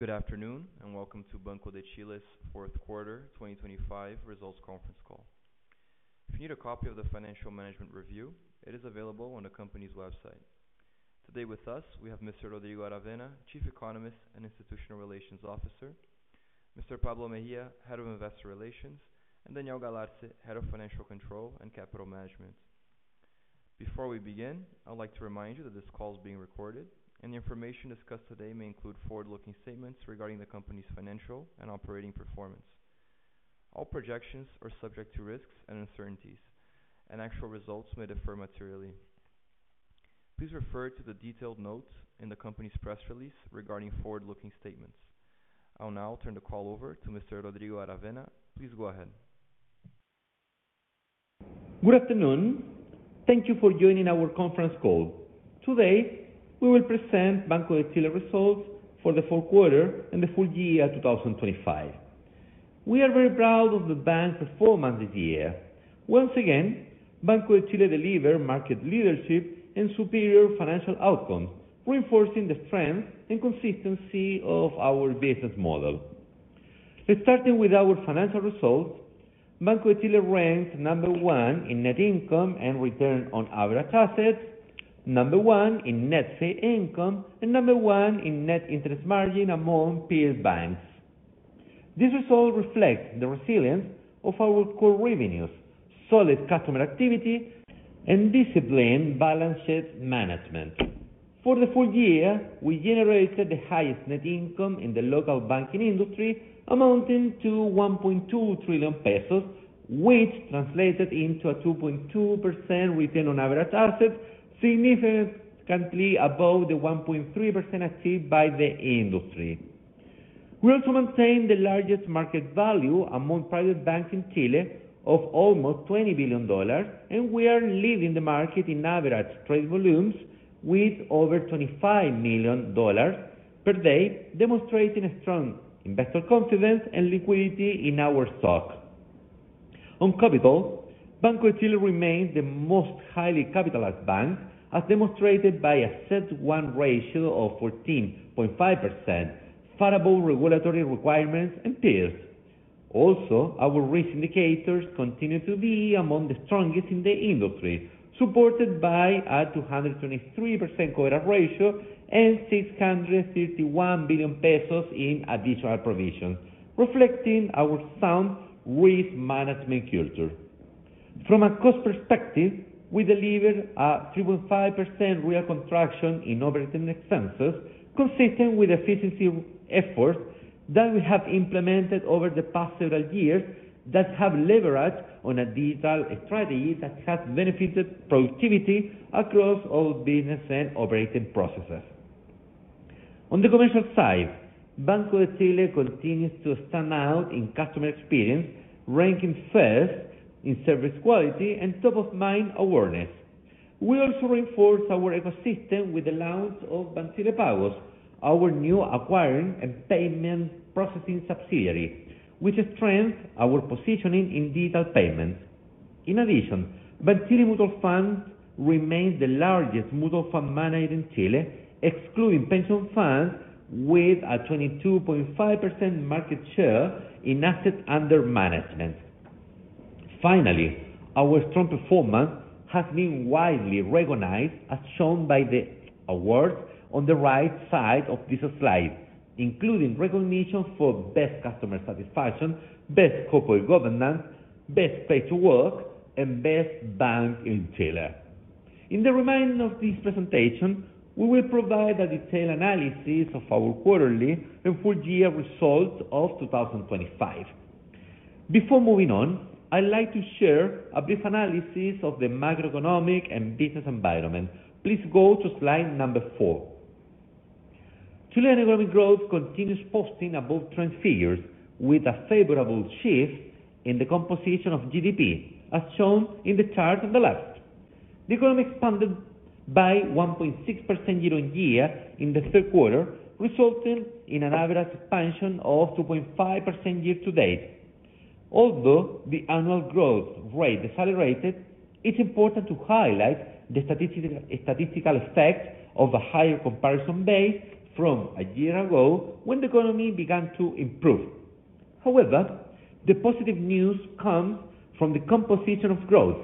Good afternoon, and welcome to Banco de Chile's Q4 2025 results conference call. If you need a copy of the financial management review, it is available on the company's website. Today with us, we have Mr. Rodrigo Aravena, Chief Economist and Institutional Relations Officer, Mr. Pablo Mejia, Head of Investor Relations, and Daniel Galarce, Head of Financial Control and Capital Management. Before we begin, I'd like to remind you that this call is being recorded, and the information discussed today may include forward-looking statements regarding the company's financial and operating performance. All projections are subject to risks and uncertainties, and actual results may differ materially. Please refer to the detailed notes in the company's press release regarding forward-looking statements. I'll now turn the call over to Mr. Rodrigo Aravena. Please go ahead. Good afternoon. Thank you for joining our conference call. Today, we will present Banco de Chile results for the Q4 and the Full Year 2025. We are very proud of the bank's performance this year. Once again, Banco de Chile delivered market leadership and superior financial outcomes, reinforcing the strength and consistency of our business model. Starting with our financial results, Banco de Chile ranked number one in net income and return on average assets, number one in net fee income, and number one in net interest margin among peer banks. This result reflects the resilience of our core revenues, solid customer activity, and disciplined balanced management. For the full year, we generated the highest net income in the local banking industry, amounting to 1.2 trillion pesos, which translated into a 2.2% return on average assets, significantly above the 1.3% achieved by the industry. We also maintain the largest market value among private banks in Chile of almost $20 billion, and we are leading the market in average trade volumes with over $25 million per day, demonstrating a strong investor confidence and liquidity in our stock. On capital, Banco de Chile remains the most highly capitalized bank, as demonstrated by a CET1 ratio of 14.5%, far above regulatory requirements and peers. Also, our risk indicators continue to be among the strongest in the industry, supported by a 223% coverage ratio and 651 billion pesos in additional provisions, reflecting our sound risk management culture. From a cost perspective, we delivered a 3.5% real contraction in operating expenses, consistent with efficiency efforts that we have implemented over the past several years that have leveraged on a digital strategy that has benefited productivity across all business and operating processes. On the commercial side, Banco de Chile continues to stand out in customer experience, ranking first in service quality and top-of-mind awareness. We also reinforced our ecosystem with the launch of Banchile Pagos, our new acquiring and payment processing subsidiary, which strengthens our positioning in digital payments. In addition, Banchile Mutual Fund remains the largest mutual fund manager in Chile, excluding pension funds, with a 22.5% market share in assets under management. Finally, our strong performance has been widely recognized, as shown by the awards on the right side of this slide, including recognition for best customer satisfaction, best corporate governance, best place to work, and best bank in Chile. In the remaining of this presentation, we will provide a detailed analysis of our quarterly and full year results of 2025. Before moving on, I'd like to share a brief analysis of the macroeconomic and business environment. Please go to slide number 4. Chilean economic growth continues posting above-trend figures, with a favorable shift in the composition of GDP, as shown in the chart on the left. The economy expanded by 1.6% year-on-year in the Q3, resulting in an average expansion of 2.5% year-to-date. Although the annual growth rate decelerated, it's important to highlight the statistical effect of a higher comparison base from a year ago when the economy began to improve. However, the positive news comes from the composition of growth.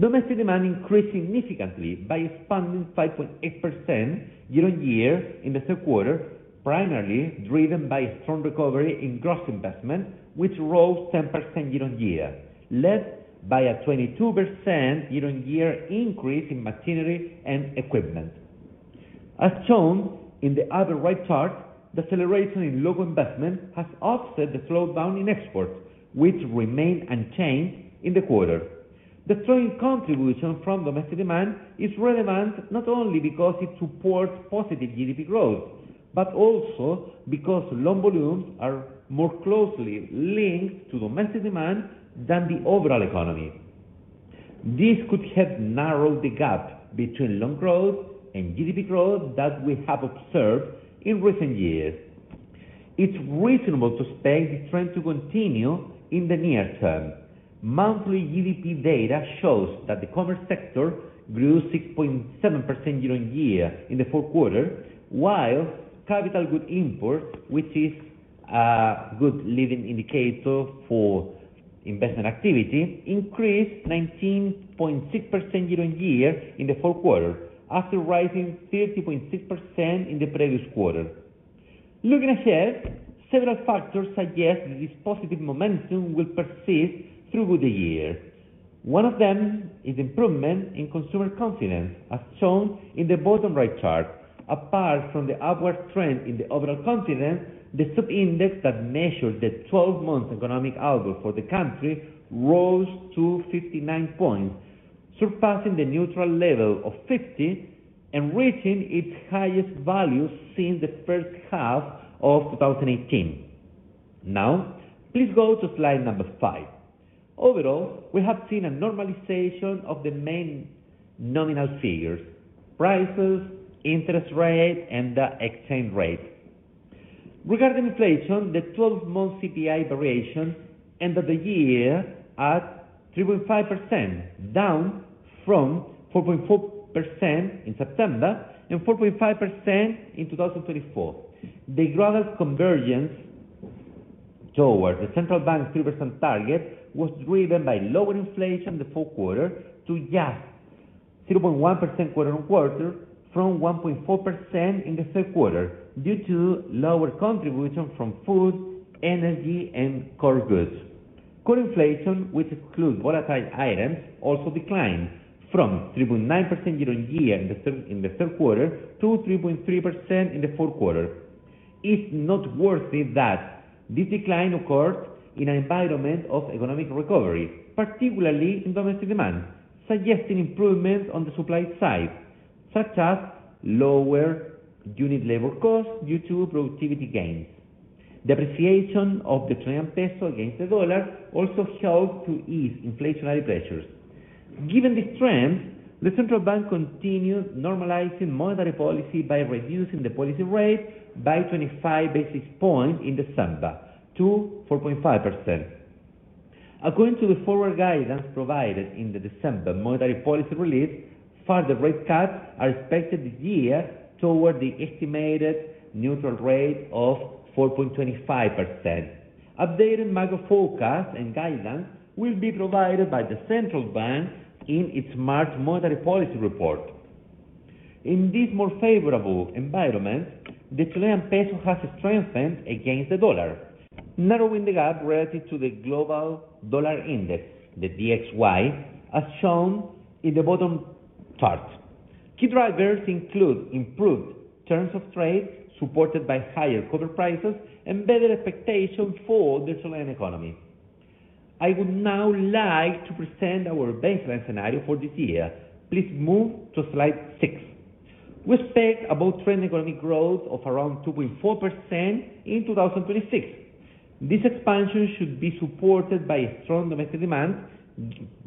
Domestic demand increased significantly by expanding 5.8% year-on-year in the Q3, primarily driven by a strong recovery in gross investment, which rose 10% year-on-year, led by a 22% year-on-year increase in machinery and equipment. As shown in the upper right chart, the acceleration in local investment has offset the slowdown in exports, which remained unchanged in the quarter. The strong contribution from domestic demand is relevant, not only because it supports positive GDP growth, but also because loan volumes are more closely linked to domestic demand than the overall economy. This could help narrow the gap between loan growth and GDP growth that we have observed in recent years.... It's reasonable to expect this trend to continue in the near term. Monthly GDP data shows that the commerce sector grew 6.7% year-on-year in the Q4, while capital good imports, which is a good leading indicator for investment activity, increased 19.6% year-on-year in the Q4, after rising 30.6% in the previous quarter. Looking ahead, several factors suggest that this positive momentum will persist throughout the year. One of them is improvement in consumer confidence, as shown in the bottom right chart. Apart from the upward trend in the overall confidence, the sub-index that measures the 12-month economic output for the country rose to 59 points, surpassing the neutral level of 50 and reaching its highest value since the first half of 2018. Now, please go to slide number 5. Overall, we have seen a normalization of the main nominal figures: prices, interest rate, and the exchange rate. Regarding inflation, the 12-month CPI variation ended the year at 3.5%, down from 4.4% in September and 4.5% in 2024. The gradual convergence towards the central bank's 3% target was driven by lower inflation in the Q4 to just 0.1% quarter-on-quarter, from 1.4% in the Q3, due to lower contribution from food, energy, and core goods. Core inflation, which excludes volatile items, also declined from 3.9% year-on-year in the Q3to 3.3% in the Q4. It's noteworthy that this decline occurred in an environment of economic recovery, particularly in domestic demand, suggesting improvements on the supply side, such as lower unit labor costs due to productivity gains. The appreciation of the Chilean peso against the US dollar also helped to ease inflationary pressures. Given this trend, the central bank continued normalizing monetary policy by reducing the policy rate by 25 basis points in December to 4.5%. According to the forward guidance provided in the December monetary policy release, further rate cuts are expected this year toward the estimated neutral rate of 4.25%. Updated macro forecast and guidance will be provided by the central bank in its March monetary policy report. In this more favorable environment, the Chilean peso has strengthened against the dollar, narrowing the gap relative to the global dollar index, the DXY, as shown in the bottom chart. Key drivers include improved terms of trade, supported by higher copper prices and better expectation for the Chilean economy. I would now like to present our baseline scenario for this year. Please move to slide 6. We expect above-trend economic growth of around 2.4% in 2026. This expansion should be supported by strong domestic demand,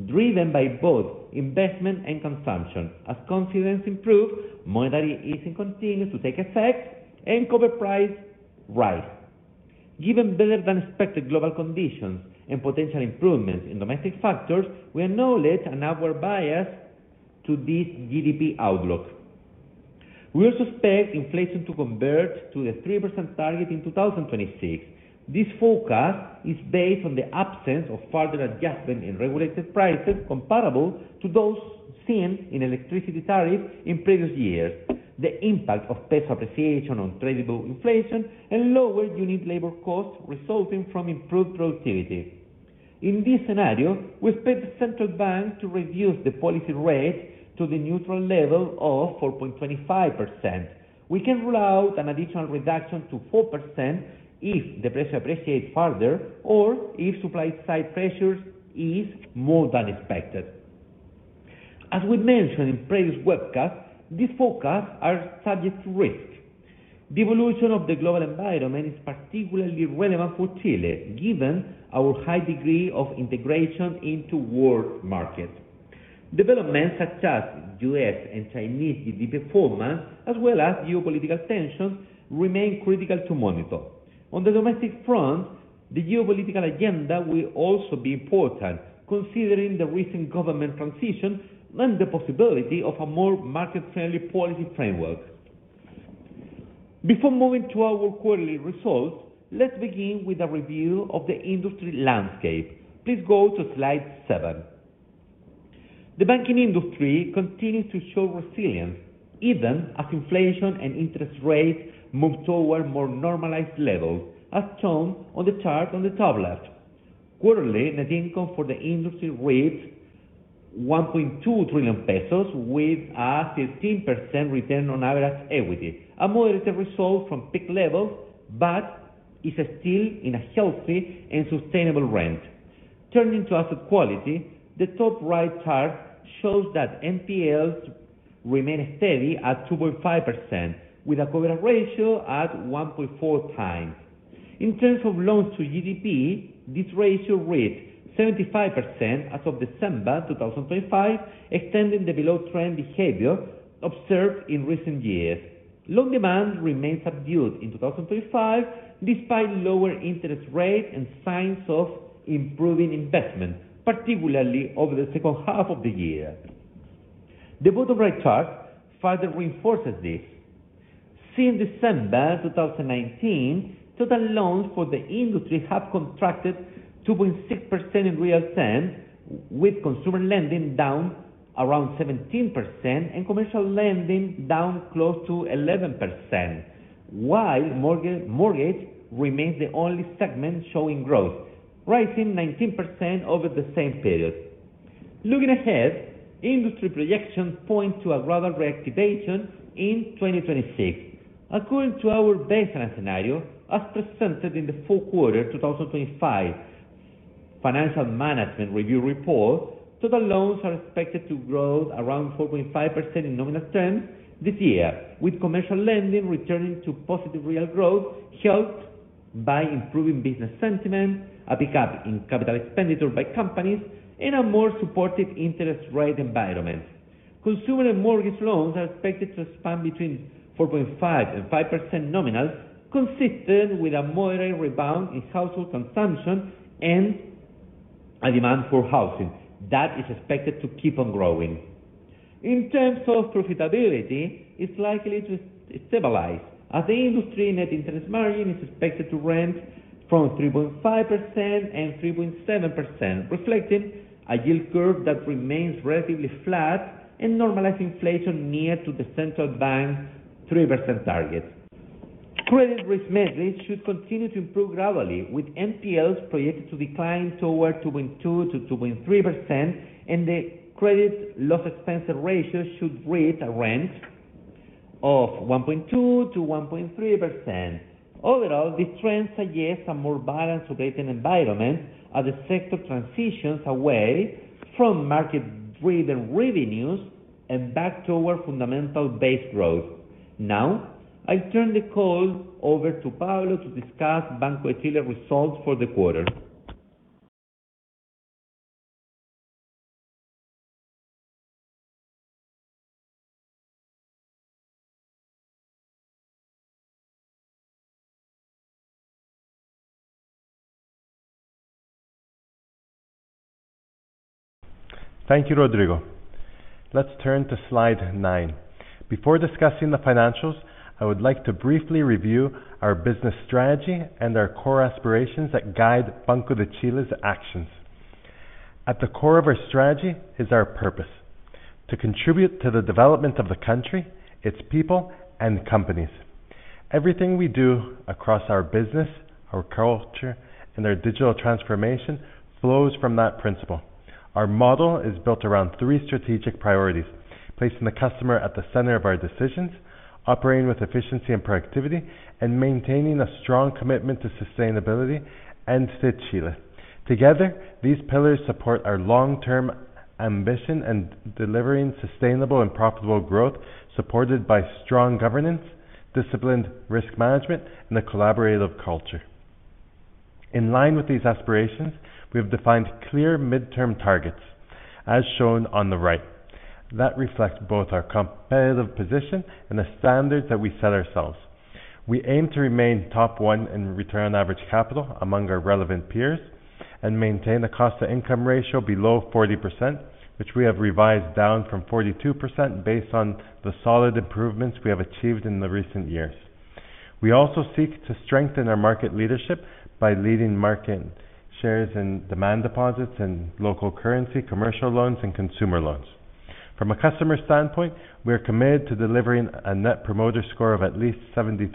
driven by both investment and consumption. As confidence improves, monetary easing continues to take effect and copper price rise. Given better-than-expected global conditions and potential improvements in domestic factors, we acknowledge an upward bias to this GDP outlook. We also expect inflation to convert to a 3% target in 2026. This forecast is based on the absence of further adjustment in regulated prices comparable to those seen in electricity tariffs in previous years, the impact of peso appreciation on tradable inflation, and lower unit labor costs resulting from improved productivity. In this scenario, we expect the central bank to reduce the policy rate to the neutral level of 4.25%. We can rule out an additional reduction to 4% if the peso appreciates further or if supply side pressures ease more than expected. As we mentioned in previous webcasts, these forecasts are subject to risk. The evolution of the global environment is particularly relevant for Chile, given our high degree of integration into world markets. Developments such as U.S. and Chinese GDP performance, as well as geopolitical tensions, remain critical to monitor. On the domestic front, the geopolitical agenda will also be important, considering the recent government transition and the possibility of a more market-friendly policy framework. Before moving to our quarterly results, let's begin with a review of the industry landscape. Please go to slide 7. The banking industry continues to show resilience, even as inflation and interest rates move toward more normalized levels, as shown on the chart on the top left. Quarterly net income for the industry reached 1.2 trillion pesos with a 16% return on average equity, a moderate result from peak levels, but is still in a healthy and sustainable range. Turning to asset quality, the top right chart shows that NPLs remain steady at 2.5%, with a coverage ratio at 1.4x. In terms of loans to GDP, this ratio reads 75% as of December 2025, extending the below trend behavior observed in recent years. Loan demand remains subdued in 2025, despite lower interest rates and signs of improving investment, particularly over the second half of the year. The bottom right chart further reinforces this. Since December 2019, total loans for the industry have contracted 2.6% in real terms, with consumer lending down around 17% and commercial lending down close to 11%, while mortgage, mortgage remains the only segment showing growth, rising 19% over the same period. Looking ahead, industry projections point to a rather reactivation in 2026. According to our baseline scenario, as presented in the full Q2 2025 Financial Management Review report, total loans are expected to grow around 4.5% in nominal terms this year, with commercial lending returning to positive real growth, helped by improving business sentiment, a pickup in capital expenditure by companies, and a more supportive interest rate environment. Consumer and mortgage loans are expected to expand between 4.5% and 5% nominal, consistent with a moderate rebound in household consumption and a demand for housing. That is expected to keep on growing. In terms of profitability, it's likely to stabilize, as the industry net interest margin is expected to range from 3.5% and 3.7%, reflecting a yield curve that remains relatively flat and normalized inflation near to the central bank's 3% target. Credit risk metrics should continue to improve gradually, with NPLs projected to decline toward 2.2%-2.3%, and the credit loss expense ratio should reach a range of 1.2%-1.3%. Overall, this trend suggests a more balanced operating environment as the sector transitions away from market-driven revenues and back toward fundamental base growth. Now, I turn the call over to Pablo to discuss Banco de Chile results for the quarter. Thank you, Rodrigo. Let's turn to slide 9. Before discussing the financials, I would like to briefly review our business strategy and our core aspirations that guide Banco de Chile's actions. At the core of our strategy is our purpose: to contribute to the development of the country, its people, and companies. Everything we do across our business, our culture, and our digital transformation flows from that principle. Our model is built around three strategic priorities: placing the customer at the center of our decisions, operating with efficiency and productivity, and maintaining a strong commitment to sustainability and to Chile. Together, these pillars support our long-term ambition and delivering sustainable and profitable growth, supported by strong governance, disciplined risk management, and a collaborative culture. In line with these aspirations, we have defined clear midterm targets, as shown on the right, that reflect both our competitive position and the standards that we set ourselves. We aim to remain top one in return on average capital among our relevant peers and maintain a cost-to-income ratio below 40%, which we have revised down from 42%, based on the solid improvements we have achieved in the recent years. We also seek to strengthen our market leadership by leading market shares in demand deposits and local currency, commercial loans, and consumer loans. From a customer standpoint, we are committed to delivering a Net Promoter Score of at least 73%,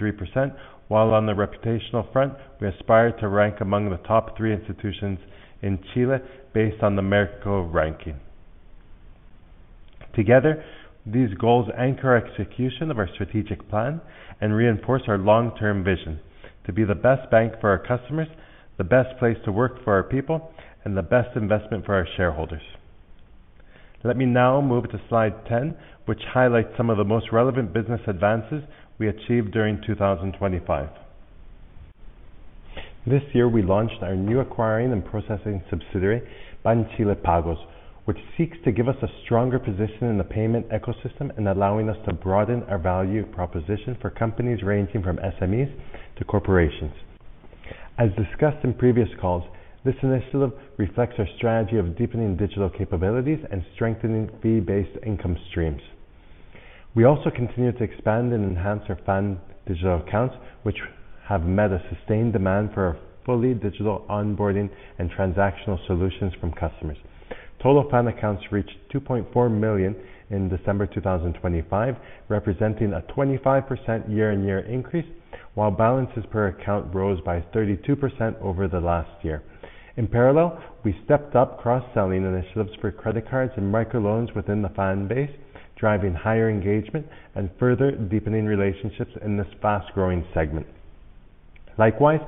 while on the reputational front, we aspire to rank among the top three institutions in Chile based on the Merco ranking. Together, these goals anchor our execution of our strategic plan and reinforce our long-term vision to be the best bank for our customers, the best place to work for our people, and the best investment for our shareholders. Let me now move to slide 10, which highlights some of the most relevant business advances we achieved during 2025. This year, we launched our new acquiring and processing subsidiary, Banchile Pagos, which seeks to give us a stronger position in the payment ecosystem and allowing us to broaden our value proposition for companies ranging from SMEs to corporations. As discussed in previous calls, this initiative reflects our strategy of deepening digital capabilities and strengthening fee-based income streams. We also continue to expand and enhance our FAN digital accounts, which have met a sustained demand for our fully digital onboarding and transactional solutions from customers. Total FAN accounts reached 2.4 million in December 2025, representing a 25% year-on-year increase, while balances per account rose by 32% over the last year. In parallel, we stepped up cross-selling initiatives for credit cards and microloans within the FAN base, driving higher engagement and further deepening relationships in this fast-growing segment. Likewise,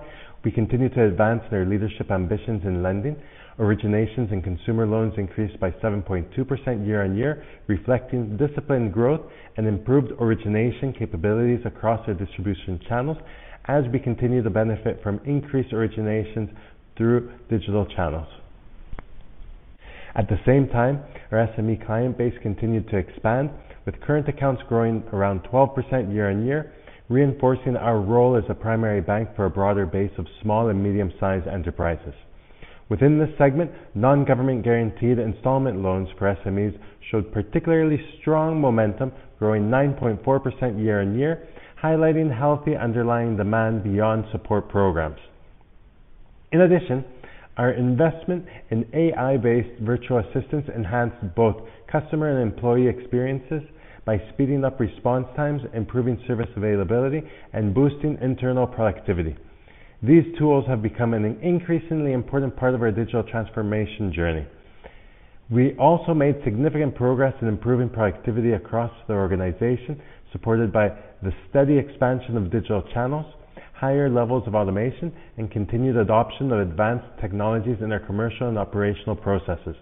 we continue to advance their leadership ambitions in lending. Originations and consumer loans increased by 7.2% year-on-year, reflecting disciplined growth and improved origination capabilities across their distribution channels as we continue to benefit from increased originations through digital channels.... At the same time, our SME client base continued to expand, with current accounts growing around 12% year-on-year, reinforcing our role as a primary bank for a broader base of small and medium-sized enterprises. Within this segment, non-government guaranteed installment loans for SMEs showed particularly strong momentum, growing 9.4% year-on-year, highlighting healthy underlying demand beyond support programs. In addition, our investment in AI-based virtual assistants enhanced both customer and employee experiences by speeding up response times, improving service availability, and boosting internal productivity. These tools have become an increasingly important part of our digital transformation journey. We also made significant progress in improving productivity across the organization, supported by the steady expansion of digital channels, higher levels of automation, and continued adoption of advanced technologies in our commercial and operational processes.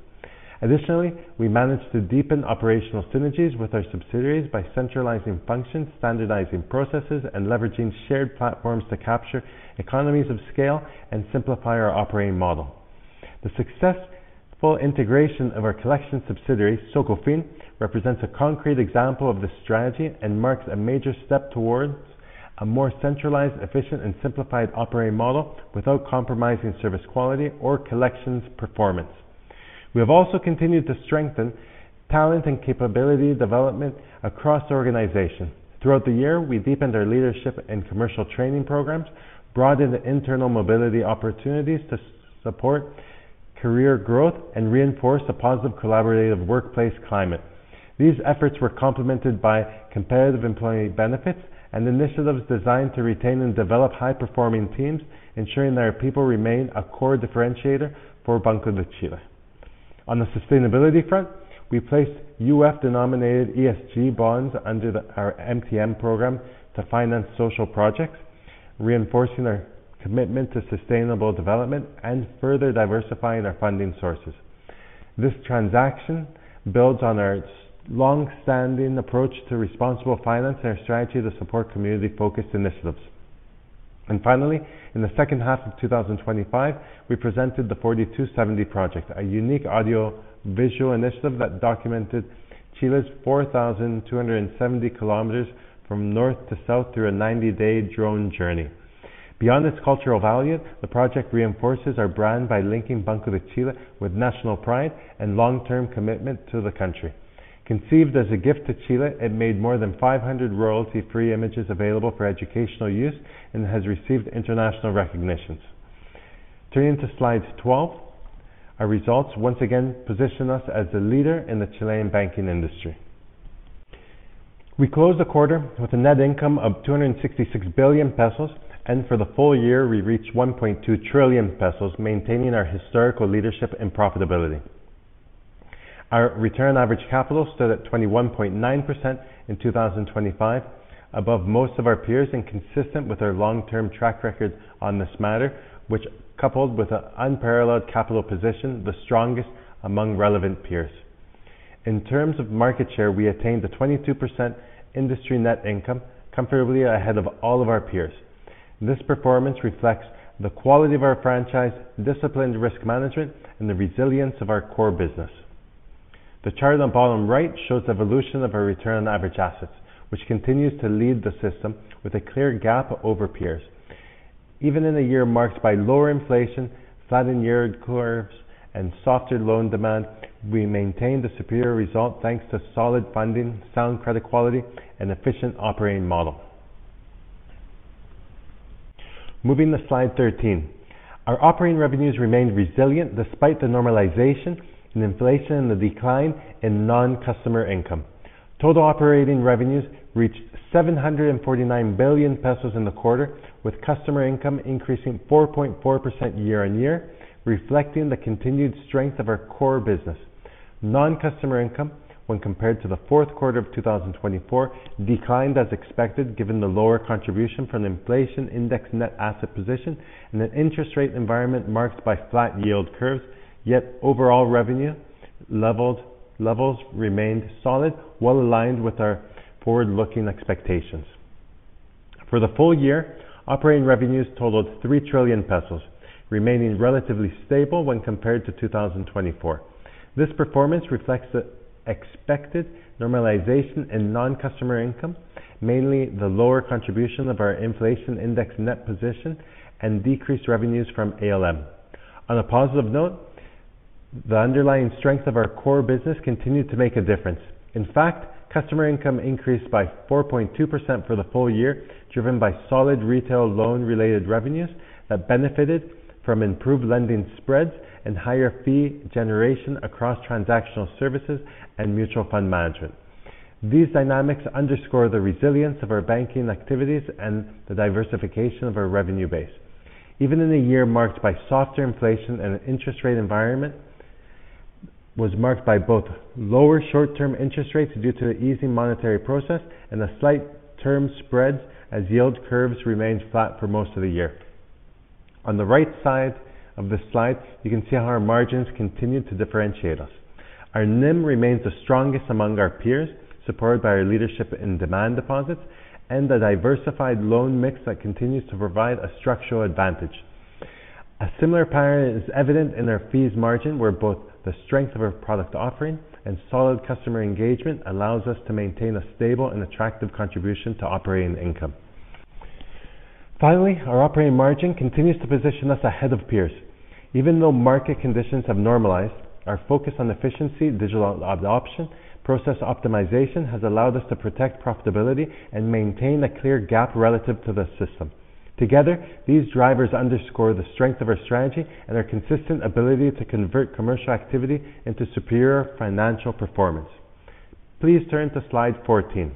Additionally, we managed to deepen operational synergies with our subsidiaries by centralizing functions, standardizing processes, and leveraging shared platforms to capture economies of scale and simplify our operating model. The successful integration of our collection subsidiary, Socofin, represents a concrete example of this strategy and marks a major step towards a more centralized, efficient, and simplified operating model without compromising service quality or collections performance. We have also continued to strengthen talent and capability development across the organization. Throughout the year, we deepened our leadership and commercial training programs, broadened internal mobility opportunities to support career growth, and reinforced a positive, collaborative workplace climate. These efforts were complemented by competitive employee benefits and initiatives designed to retain and develop high-performing teams, ensuring that our people remain a core differentiator for Banco de Chile. On the sustainability front, we placed UF-denominated ESG bonds under our MTN program to finance social projects, reinforcing our commitment to sustainable development and further diversifying our funding sources. This transaction builds on our long-standing approach to responsible finance and our strategy to support community-focused initiatives. And finally, in the second half of 2025, we presented the 4270 Project, a unique audio-visual initiative that documented Chile's 4,270 kilometers from north to south through a 90-day drone journey. Beyond its cultural value, the project reinforces our brand by linking Banco de Chile with national pride and long-term commitment to the country. Conceived as a gift to Chile, it made more than 500 royalty-free images available for educational use and has received international recognitions. Turning to slide 12, our results once again position us as the leader in the Chilean banking industry. We closed the quarter with a net income of 266 billion pesos, and for the full year, we reached 1.2 trillion pesos, maintaining our historical leadership and profitability. Our return on average capital stood at 21.9% in 2025, above most of our peers and consistent with our long-term track record on this matter, which, coupled with an unparalleled capital position, the strongest among relevant peers. In terms of market share, we attained a 22% industry net income, comfortably ahead of all of our peers. This performance reflects the quality of our franchise, disciplined risk management, and the resilience of our core business. The chart on the bottom right shows the evolution of our return on average assets, which continues to lead the system with a clear gap over peers. Even in a year marked by lower inflation, flattened yield curves, and softer loan demand, we maintained a superior result thanks to solid funding, sound credit quality, and efficient operating model. Moving to slide 13. Our operating revenues remained resilient despite the normalization in inflation and the decline in non-customer income. Total operating revenues reached 749 billion pesos in the quarter, with customer income increasing 4.4% year-over-year, reflecting the continued strength of our core business. Non-customer income, when compared to the Q4 of 2024, declined as expected, given the lower contribution from the inflation index net asset position and an interest rate environment marked by flat yield curves. Yet overall revenue levels remained solid, well-aligned with our forward-looking expectations. For the full year, operating revenues totaled 3 trillion pesos, remaining relatively stable when compared to 2024. This performance reflects the expected normalization in non-customer income, mainly the lower contribution of our inflation index net position and decreased revenues from ALM. On a positive note, the underlying strength of our core business continued to make a difference. In fact, customer income increased by 4.2% for the full year, driven by solid retail loan-related revenues that benefited from improved lending spreads and higher fee generation across transactional services and mutual fund management. These dynamics underscore the resilience of our banking activities and the diversification of our revenue base. Even in a year marked by softer inflation and an interest rate environment, was marked by both lower short-term interest rates due to the easing monetary process and a slight term spread as yield curves remained flat for most of the year. On the right side of the slide, you can see how our margins continued to differentiate us.... Our NIM remains the strongest among our peers, supported by our leadership in demand deposits and a diversified loan mix that continues to provide a structural advantage. A similar pattern is evident in our fees margin, where both the strength of our product offering and solid customer engagement allows us to maintain a stable and attractive contribution to operating income. Finally, our operating margin continues to position us ahead of peers. Even though market conditions have normalized, our focus on efficiency, digital adoption, process optimization has allowed us to protect profitability and maintain a clear gap relative to the system. Together, these drivers underscore the strength of our strategy and our consistent ability to convert commercial activity into superior financial performance. Please turn to slide 14.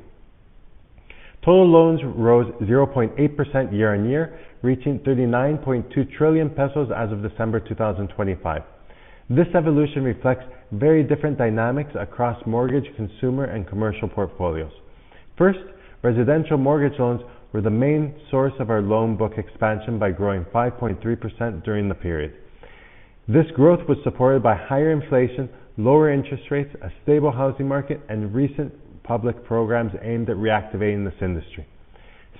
Total loans rose 0.8% year-on-year, reaching 39.2 trillion pesos as of December 2025. This evolution reflects very different dynamics across mortgage, consumer, and commercial portfolios. First, residential mortgage loans were the main source of our loan book expansion by growing 5.3% during the period. This growth was supported by higher inflation, lower interest rates, a stable housing market, and recent public programs aimed at reactivating this industry.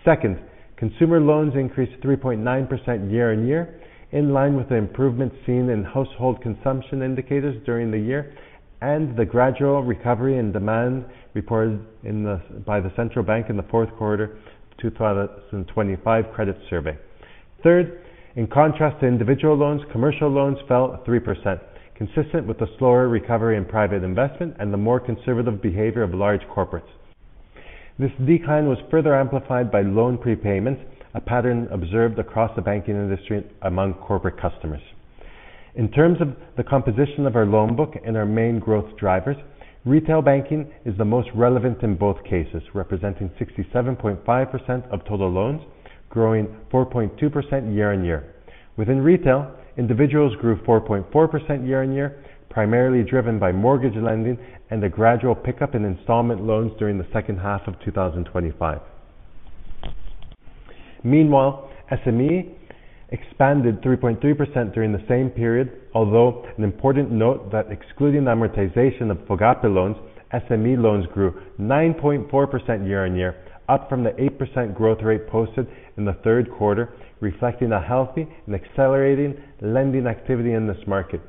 Second, consumer loans increased 3.9% year-on-year, in line with the improvement seen in household consumption indicators during the year, and the gradual recovery in demand reported by the central bank in the Q4 of 2025 credit survey. Third, in contrast to individual loans, commercial loans fell 3%, consistent with the slower recovery in private investment and the more conservative behavior of large corporates. This decline was further amplified by loan prepayments, a pattern observed across the banking industry among corporate customers. In terms of the composition of our loan book and our main growth drivers, retail banking is the most relevant in both cases, representing 67.5% of total loans, growing 4.2% year-on-year. Within retail, individuals grew 4.4% year-on-year, primarily driven by mortgage lending and a gradual pickup in installment loans during the second half of 2025. Meanwhile, SME expanded 3.3% during the same period, although an important note that excluding the amortization of FOGAPE loans, SME loans grew 9.4% year-on-year, up from the 8% growth rate posted in the Q3, reflecting a healthy and accelerating lending activity in this market,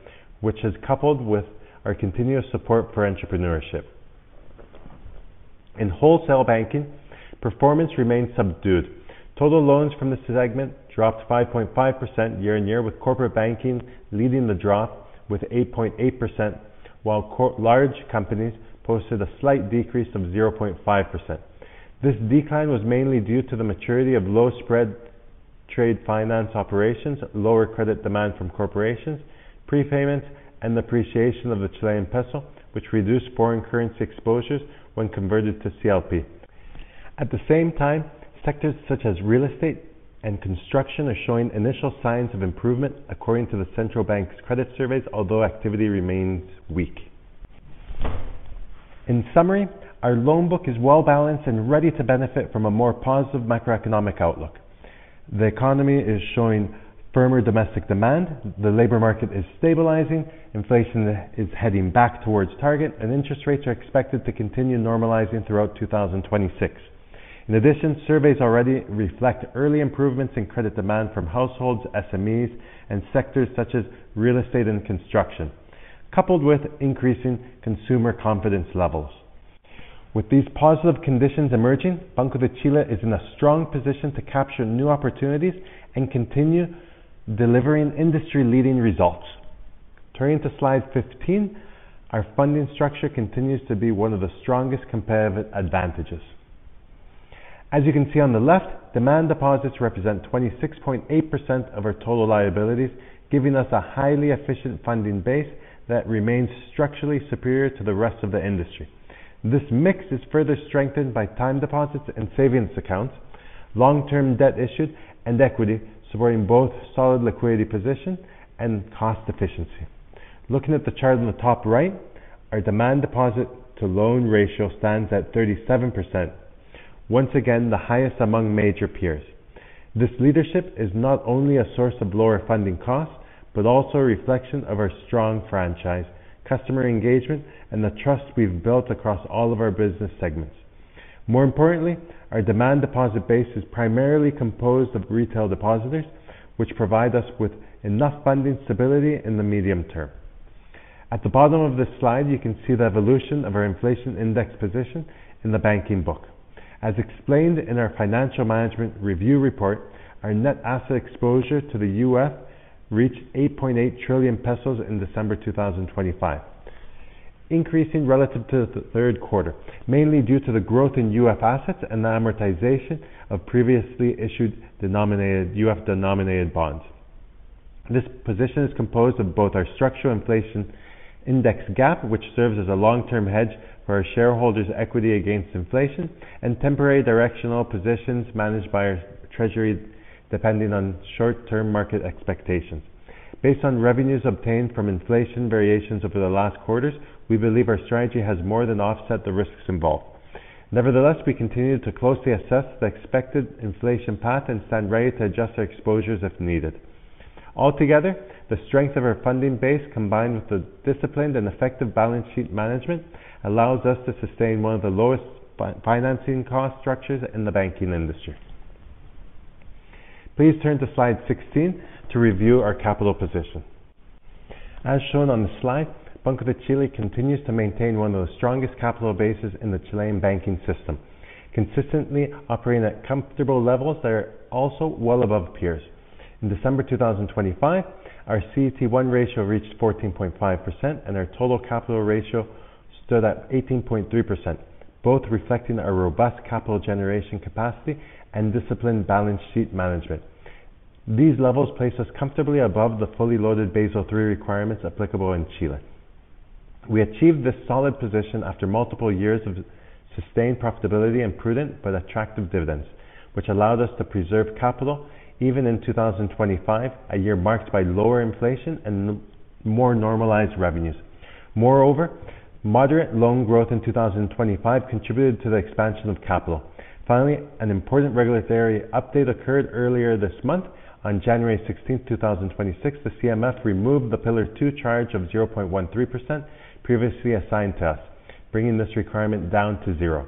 which is coupled with our continuous support for entrepreneurship. In wholesale banking, performance remains subdued. Total loans from this segment dropped 5.5% year-on-year, with corporate banking leading the drop with 8.8%, while core large companies posted a slight decrease of 0.5%. This decline was mainly due to the maturity of low spread trade finance operations, lower credit demand from corporations, prepayments, and the appreciation of the Chilean peso, which reduced foreign currency exposures when converted to CLP. At the same time, sectors such as real estate and construction are showing initial signs of improvement, according to the central bank's credit surveys, although activity remains weak. In summary, our loan book is well-balanced and ready to benefit from a more positive macroeconomic outlook. The economy is showing firmer domestic demand, the labor market is stabilizing, inflation is heading back towards target, and interest rates are expected to continue normalizing throughout 2026. In addition, surveys already reflect early improvements in credit demand from households, SMEs, and sectors such as real estate and construction, coupled with increasing consumer confidence levels. With these positive conditions emerging, Banco de Chile is in a strong position to capture new opportunities and continue delivering industry-leading results. Turning to slide 15, our funding structure continues to be one of the strongest competitive advantages. As you can see on the left, demand deposits represent 26.8% of our total liabilities, giving us a highly efficient funding base that remains structurally superior to the rest of the industry. This mix is further strengthened by time deposits and savings accounts, long-term debt issued, and equity, supporting both solid liquidity position and cost efficiency. Looking at the chart on the top right, our demand deposit to loan ratio stands at 37%. Once again, the highest among major peers. This leadership is not only a source of lower funding costs, but also a reflection of our strong franchise, customer engagement, and the trust we've built across all of our business segments. More importantly, our demand deposit base is primarily composed of retail depositors, which provide us with enough funding stability in the medium term. At the bottom of this slide, you can see the evolution of our inflation index position in the banking book. As explained in our financial management review report, our net asset exposure to the U.S. reached 8.8 trillion pesos in December 2025, increasing relative to the Q3, mainly due to the growth in U.S. assets and the amortization of previously issued U.S.-denominated bonds. This position is composed of both our structural inflation index gap, which serves as a long-term hedge for our shareholders' equity against inflation, and temporary directional positions managed by our treasury, depending on short-term market expectations. Based on revenues obtained from inflation variations over the last quarters, we believe our strategy has more than offset the risks involved. Nevertheless, we continue to closely assess the expected inflation path and stand ready to adjust our exposures if needed. Altogether, the strength of our funding base, combined with the disciplined and effective balance sheet management, allows us to sustain one of the lowest financing cost structures in the banking industry. Please turn to slide 16 to review our capital position. As shown on the slide, Banco de Chile continues to maintain one of the strongest capital bases in the Chilean banking system, consistently operating at comfortable levels that are also well above peers. In December 2025, our CET1 ratio reached 14.5%, and our total capital ratio stood at 18.3%, both reflecting our robust capital generation capacity and disciplined balance sheet management. These levels place us comfortably above the fully loaded Basel III requirements applicable in Chile. We achieved this solid position after multiple years of sustained profitability and prudent but attractive dividends, which allowed us to preserve capital even in 2025, a year marked by lower inflation and more normalized revenues. Moreover, moderate loan growth in 2025 contributed to the expansion of capital. Finally, an important regulatory update occurred earlier this month. On January 16, 2026, the CMF removed the Pillar II charge of 0.13% previously assigned to us, bringing this requirement down to zero.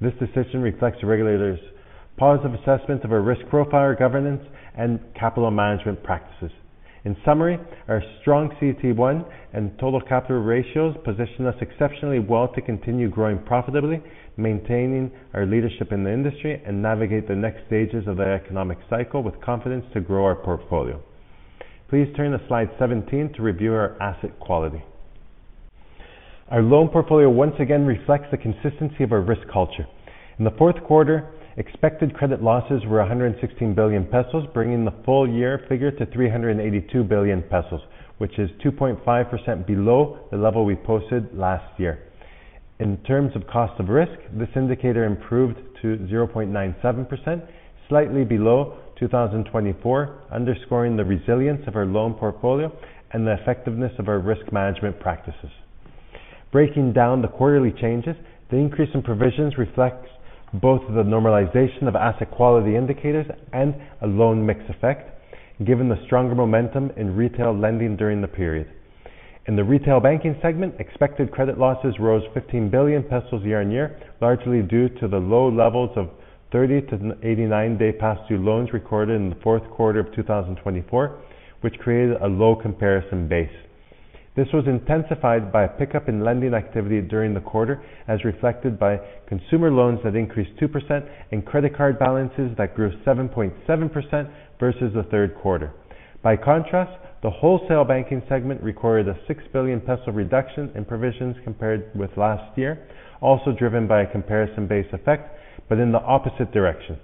This decision reflects the regulator's positive assessment of our risk profile, governance, and capital management practices. In summary, our strong CET1 and total capital ratios position us exceptionally well to continue growing profitably, maintaining our leadership in the industry, and navigate the next stages of the economic cycle with confidence to grow our portfolio. Please turn to slide 17 to review our asset quality. Our loan portfolio once again reflects the consistency of our risk culture. In the Q4, expected credit losses were 116 billion pesos, bringing the full year figure to 382 billion pesos, which is 2.5% below the level we posted last year. In terms of cost of risk, this indicator improved to 0.97%, slightly below 2024, underscoring the resilience of our loan portfolio and the effectiveness of our risk management practices. Breaking down the quarterly changes, the increase in provisions reflects both the normalization of asset quality indicators and a loan mix effect, given the stronger momentum in retail lending during the period. In the retail banking segment, expected credit losses rose 15 billion pesos year-on-year, largely due to the low levels of 30-89 day past due loans recorded in the Q4 of 2024, which created a low comparison base. This was intensified by a pickup in lending activity during the quarter, as reflected by consumer loans that increased 2% and credit card balances that grew 7.7% versus the third quarter. By contrast, the wholesale banking segment recorded a 6 billion peso reduction in provisions compared with last year, also driven by a comparison-based effect, but in the opposite direction.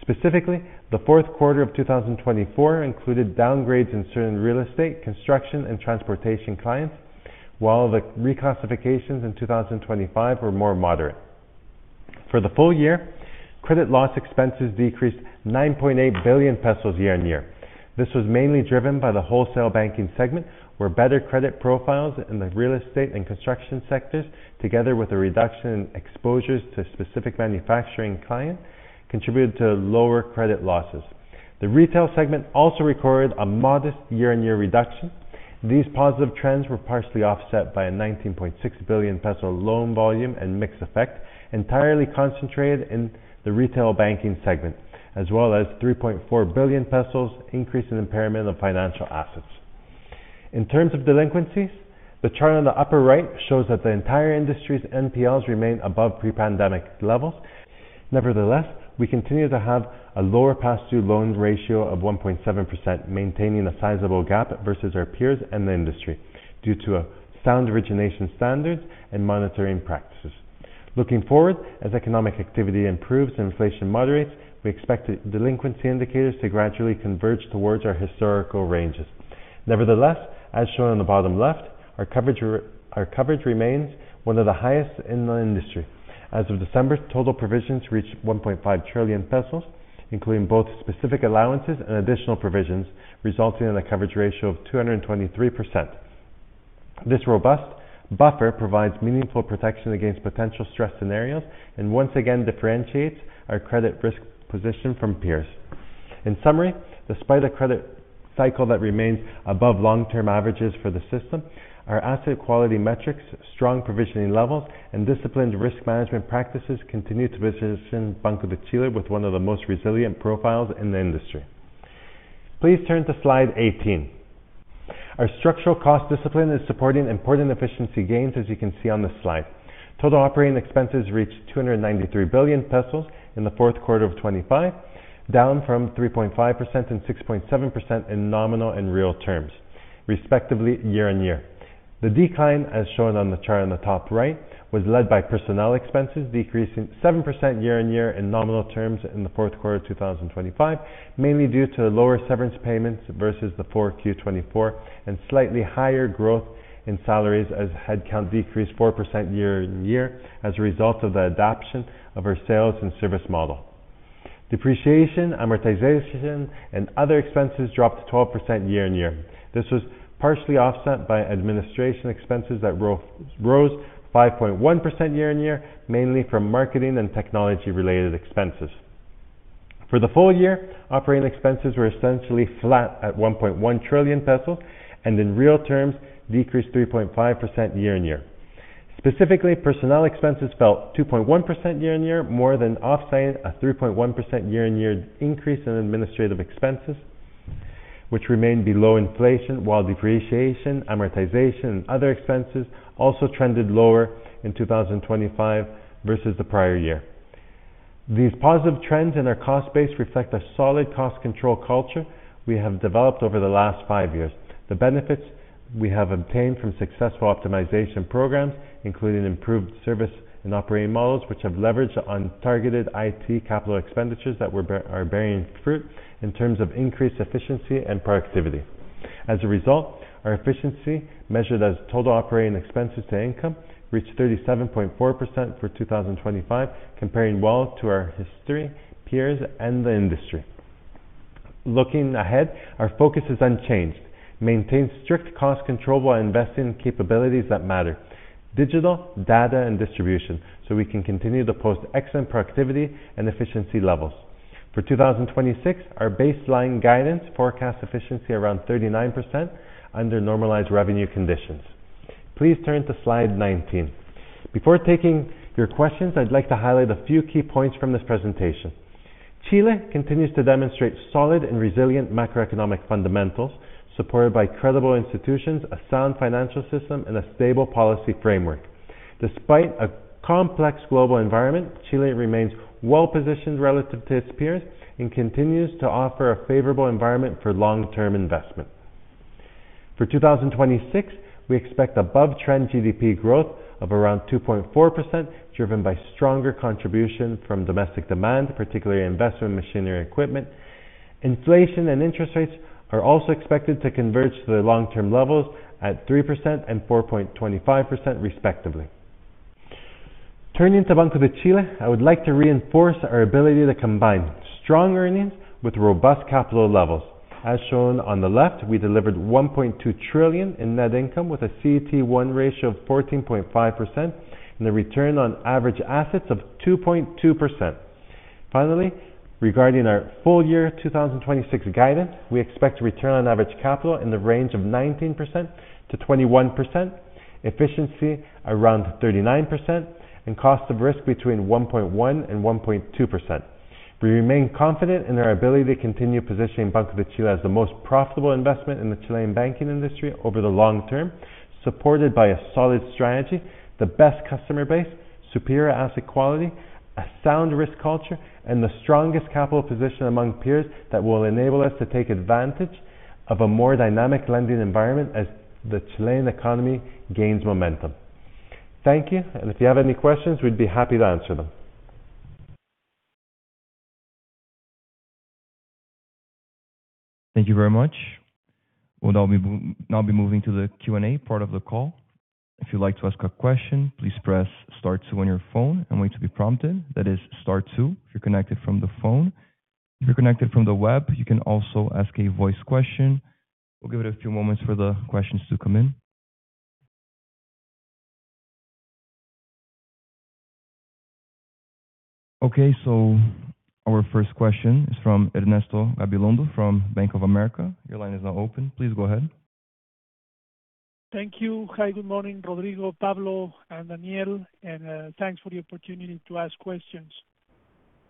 Specifically, the Q4 of 2024 included downgrades in certain real estate, construction, and transportation clients, while the reclassifications in 2025 were more moderate. For the full year, credit loss expenses decreased 9.8 billion pesos year-on-year. This was mainly driven by the wholesale banking segment, where better credit profiles in the real estate and construction sectors, together with a reduction in exposures to specific manufacturing clients, contributed to lower credit losses. The retail segment also recorded a modest year-on-year reduction. These positive trends were partially offset by a 19.6 billion peso loan volume and mix effect, entirely concentrated in the retail banking segment, as well as 3.4 billion pesos increase in impairment of financial assets. In terms of delinquencies, the chart on the upper right shows that the entire industry's NPLs remain above pre-pandemic levels. Nevertheless, we continue to have a lower past due loan ratio of 1.7%, maintaining a sizable gap versus our peers and the industry due to a sound origination standards and monitoring practices. Looking forward, as economic activity improves and inflation moderates, we expect the delinquency indicators to gradually converge towards our historical ranges. Nevertheless, as shown on the bottom left, our coverage remains one of the highest in the industry. As of December, total provisions reached 1.5 trillion pesos, including both specific allowances and additional provisions, resulting in a coverage ratio of 223%. This robust buffer provides meaningful protection against potential stress scenarios and once again differentiates our credit risk position from peers. In summary, despite a credit cycle that remains above long-term averages for the system, our asset quality metrics, strong provisioning levels, and disciplined risk management practices continue to position Banco de Chile with one of the most resilient profiles in the industry. Please turn to slide 18. Our structural cost discipline is supporting important efficiency gains, as you can see on this slide. Total operating expenses reached 293 billion pesos in the Q4 of 2025, down from 3.5% and 6.7% in nominal and real terms, respectively, year-on-year. The decline, as shown on the chart on the top right, was led by personnel expenses, decreasing 7% year-on-year in nominal terms in the Q4 of 2025, mainly due to lower severance payments versus Q4 2024, and slightly higher growth in salaries as headcount decreased 4% year-on-year as a result of the adoption of our sales and service model. Depreciation, amortization, and other expenses dropped 12% year-on-year. This was partially offset by administration expenses that rose 5.1% year-on-year, mainly from marketing and technology-related expenses. For the full year, operating expenses were essentially flat at 1.1 trillion pesos, and in real terms, decreased 3.5% year-on-year. Specifically, personnel expenses fell 2.1% year-on-year, more than offsetting a 3.1% year-on-year increase in administrative expenses, which remained below inflation, while depreciation, amortization, and other expenses also trended lower in 2025 versus the prior year. These positive trends in our cost base reflect a solid cost control culture we have developed over the last five years. The benefits we have obtained from successful optimization programs, including improved service and operating models, which have leveraged on targeted IT capital expenditures that we are bearing fruit in terms of increased efficiency and productivity. As a result, our efficiency, measured as total operating expenses to income, reached 37.4% for 2025, comparing well to our history, peers, and the industry. Looking ahead, our focus is unchanged: Maintain strict cost control while investing in capabilities that matter, digital, data, and distribution, so we can continue to post excellent productivity and efficiency levels. For 2026, our baseline guidance forecast efficiency around 39% under normalized revenue conditions. Please turn to slide 19. Before taking your questions, I'd like to highlight a few key points from this presentation. Chile continues to demonstrate solid and resilient macroeconomic fundamentals, supported by credible institutions, a sound financial system, and a stable policy framework. Despite a complex global environment, Chile remains well-positioned relative to its peers and continues to offer a favorable environment for long-term investment. For 2026, we expect above-trend GDP growth of around 2.4%, driven by stronger contribution from domestic demand, particularly investment in machinery equipment. Inflation and interest rates are also expected to converge to the long-term levels at 3% and 4.25%, respectively. Turning to Banco de Chile, I would like to reinforce our ability to combine strong earnings with robust capital levels. As shown on the left, we delivered 1.2 trillion in net income with a CET1 ratio of 14.5% and a return on average assets of 2.2%. Finally, regarding our full-year 2026 guidance, we expect to return on average capital in the range of 19%-21%, efficiency around 39%, and cost of risk between 1.1% and 1.2%. We remain confident in our ability to continue positioning Banco de Chile as the most profitable investment in the Chilean banking industry over the long term, supported by a solid strategy, the best customer base, superior asset quality, a sound risk culture, and the strongest capital position among peers that will enable us to take advantage of a more dynamic lending environment as the Chilean economy gains momentum. Thank you, and if you have any questions, we'd be happy to answer them. Thank you very much. We'll now be moving to the Q&A part of the call. If you'd like to ask a question, please press star two on your phone and wait to be prompted. That is star two if you're connected from the phone. If you're connected from the web, you can also ask a voice question. We'll give it a few moments for the questions to come in. Okay, so our first question is from Ernesto Gabilondo from Bank of America. Your line is now open. Please go ahead. Thank you. Hi, good morning, Rodrigo, Pablo, and Daniel, and thanks for the opportunity to ask questions.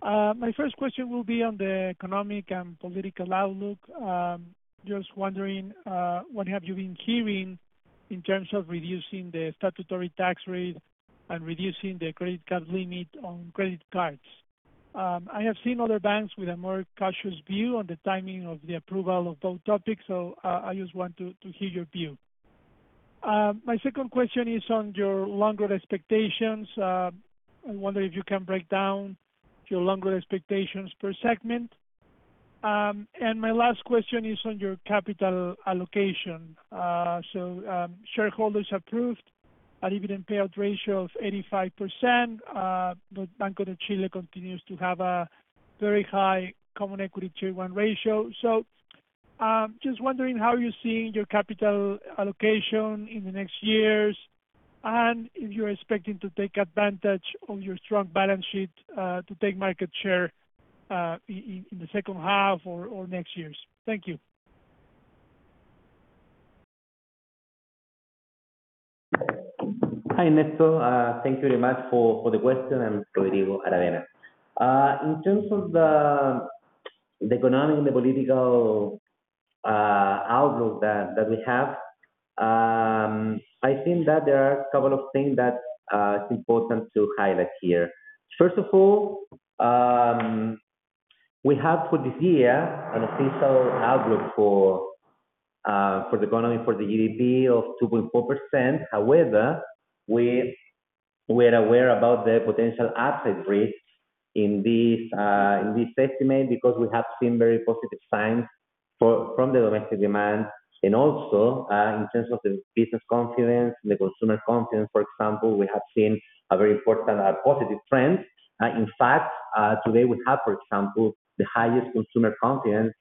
My first question will be on the economic and political outlook. Just wondering, what have you been hearing in terms of reducing the statutory tax rate and reducing the credit card limit on credit cards? I have seen other banks with a more cautious view on the timing of the approval of both topics, so I just want to hear your view. My second question is on your loan growth expectations. I wonder if you can break down your loan growth expectations per segment. And my last question is on your capital allocation. So, shareholders approved a dividend payout ratio of 85%, but Banco de Chile continues to have a very high common equity tier one ratio. So, just wondering how you're seeing your capital allocation in the next years, and if you're expecting to take advantage of your strong balance sheet, to take market share, in the second half or next years. Thank you. Hi, Ernesto. Thank you very much for the question. I'm Rodrigo Aravena. In terms of the economic and the political outlook that we have, I think that there are a couple of things that is important to highlight here. First of all, we have for this year an official outlook for the economy, for the GDP of 2.4%. However, we are aware about the potential upside risks in this estimate because we have seen very positive signs- from the domestic demand, and also, in terms of the business confidence, the consumer confidence, for example, we have seen a very important positive trend. In fact, today we have, for example, the highest consumer confidence,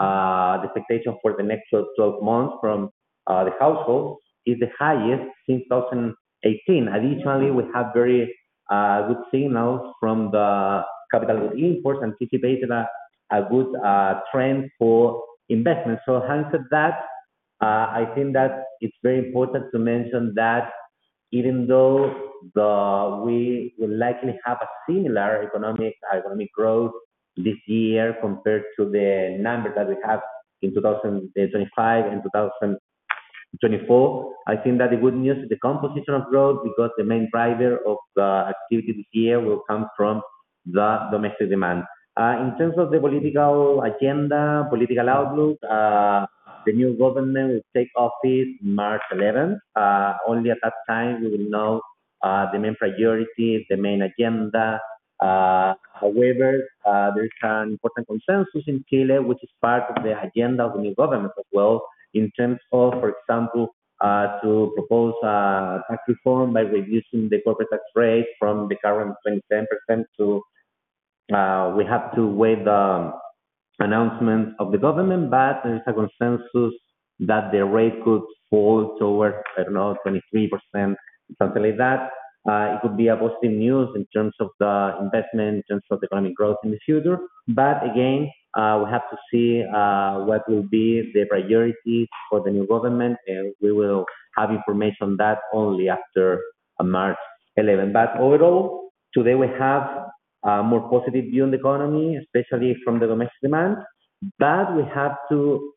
the expectation for the next 12, 12 months from the households is the highest since 2018. Additionally, we have very good signals from the capital imports, anticipated a good trend for investment. So hence at that, I think that it's very important to mention that even though we will likely have a similar economic growth this year compared to the number that we have in 2025 and 2024, I think that the good news is the composition of growth, because the main driver of the activity this year will come from the domestic demand. In terms of the political agenda, political outlook, the new government will take office March eleventh. Only at that time, we will know the main priorities, the main agenda. However, there's an important consensus in Chile, which is part of the agenda of the new government as well, in terms of, for example, to propose, tax reform by reducing the corporate tax rate from the current 27% to, we have to wait the announcement of the government, but there's a consensus that the rate could fall towards, I don't know, 23%, something like that. It could be a positive news in terms of the investment, in terms of economic growth in the future. But again, we have to see, what will be the priority for the new government, and we will have information on that only after, March eleven. But overall, today we have a more positive view on the economy, especially from the domestic demand, but we have to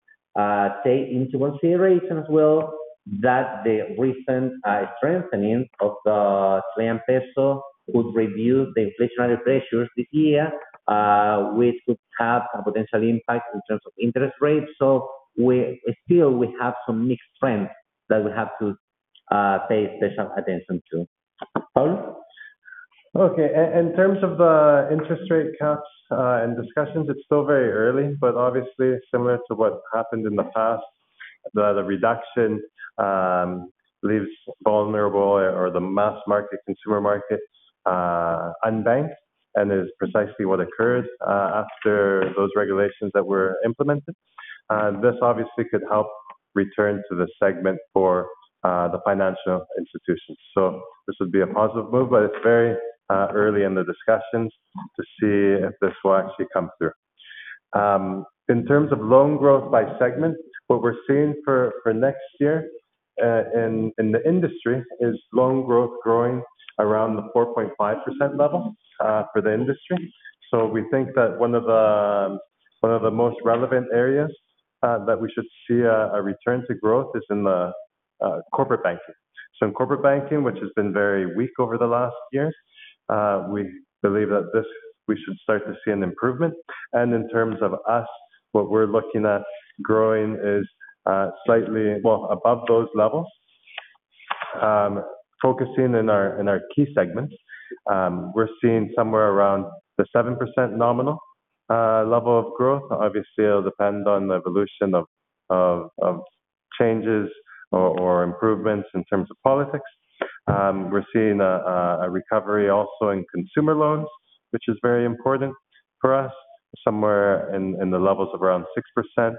take into consideration as well that the recent strengthening of the Chilean peso could review the inflationary pressures this year. We could have some potential impact in terms of interest rates, so we still have some mixed trends that we have to pay special attention to. Pablo? Okay. In terms of interest rate cuts and discussions, it's still very early, but obviously similar to what happened in the past, the reduction leaves vulnerable or the mass market, consumer markets, unbanked, and is precisely what occurred after those regulations that were implemented. This obviously could help return to the segment for the financial institutions. So this would be a positive move, but it's very early in the discussions to see if this will actually come through. In terms of loan growth by segment, what we're seeing for next year in the industry, is loan growth growing around the 4.5% level for the industry. So we think that one of the most relevant areas that we should see a return to growth is in the corporate banking. So in corporate banking, which has been very weak over the last years, we believe that this, we should start to see an improvement. And in terms of us, what we're looking at growing is slightly well above those levels. Focusing in our key segments, we're seeing somewhere around the 7% nominal level of growth. Obviously, it'll depend on the evolution of changes or improvements in terms of politics. We're seeing a recovery also in consumer loans, which is very important for us, somewhere in the levels of around 6%,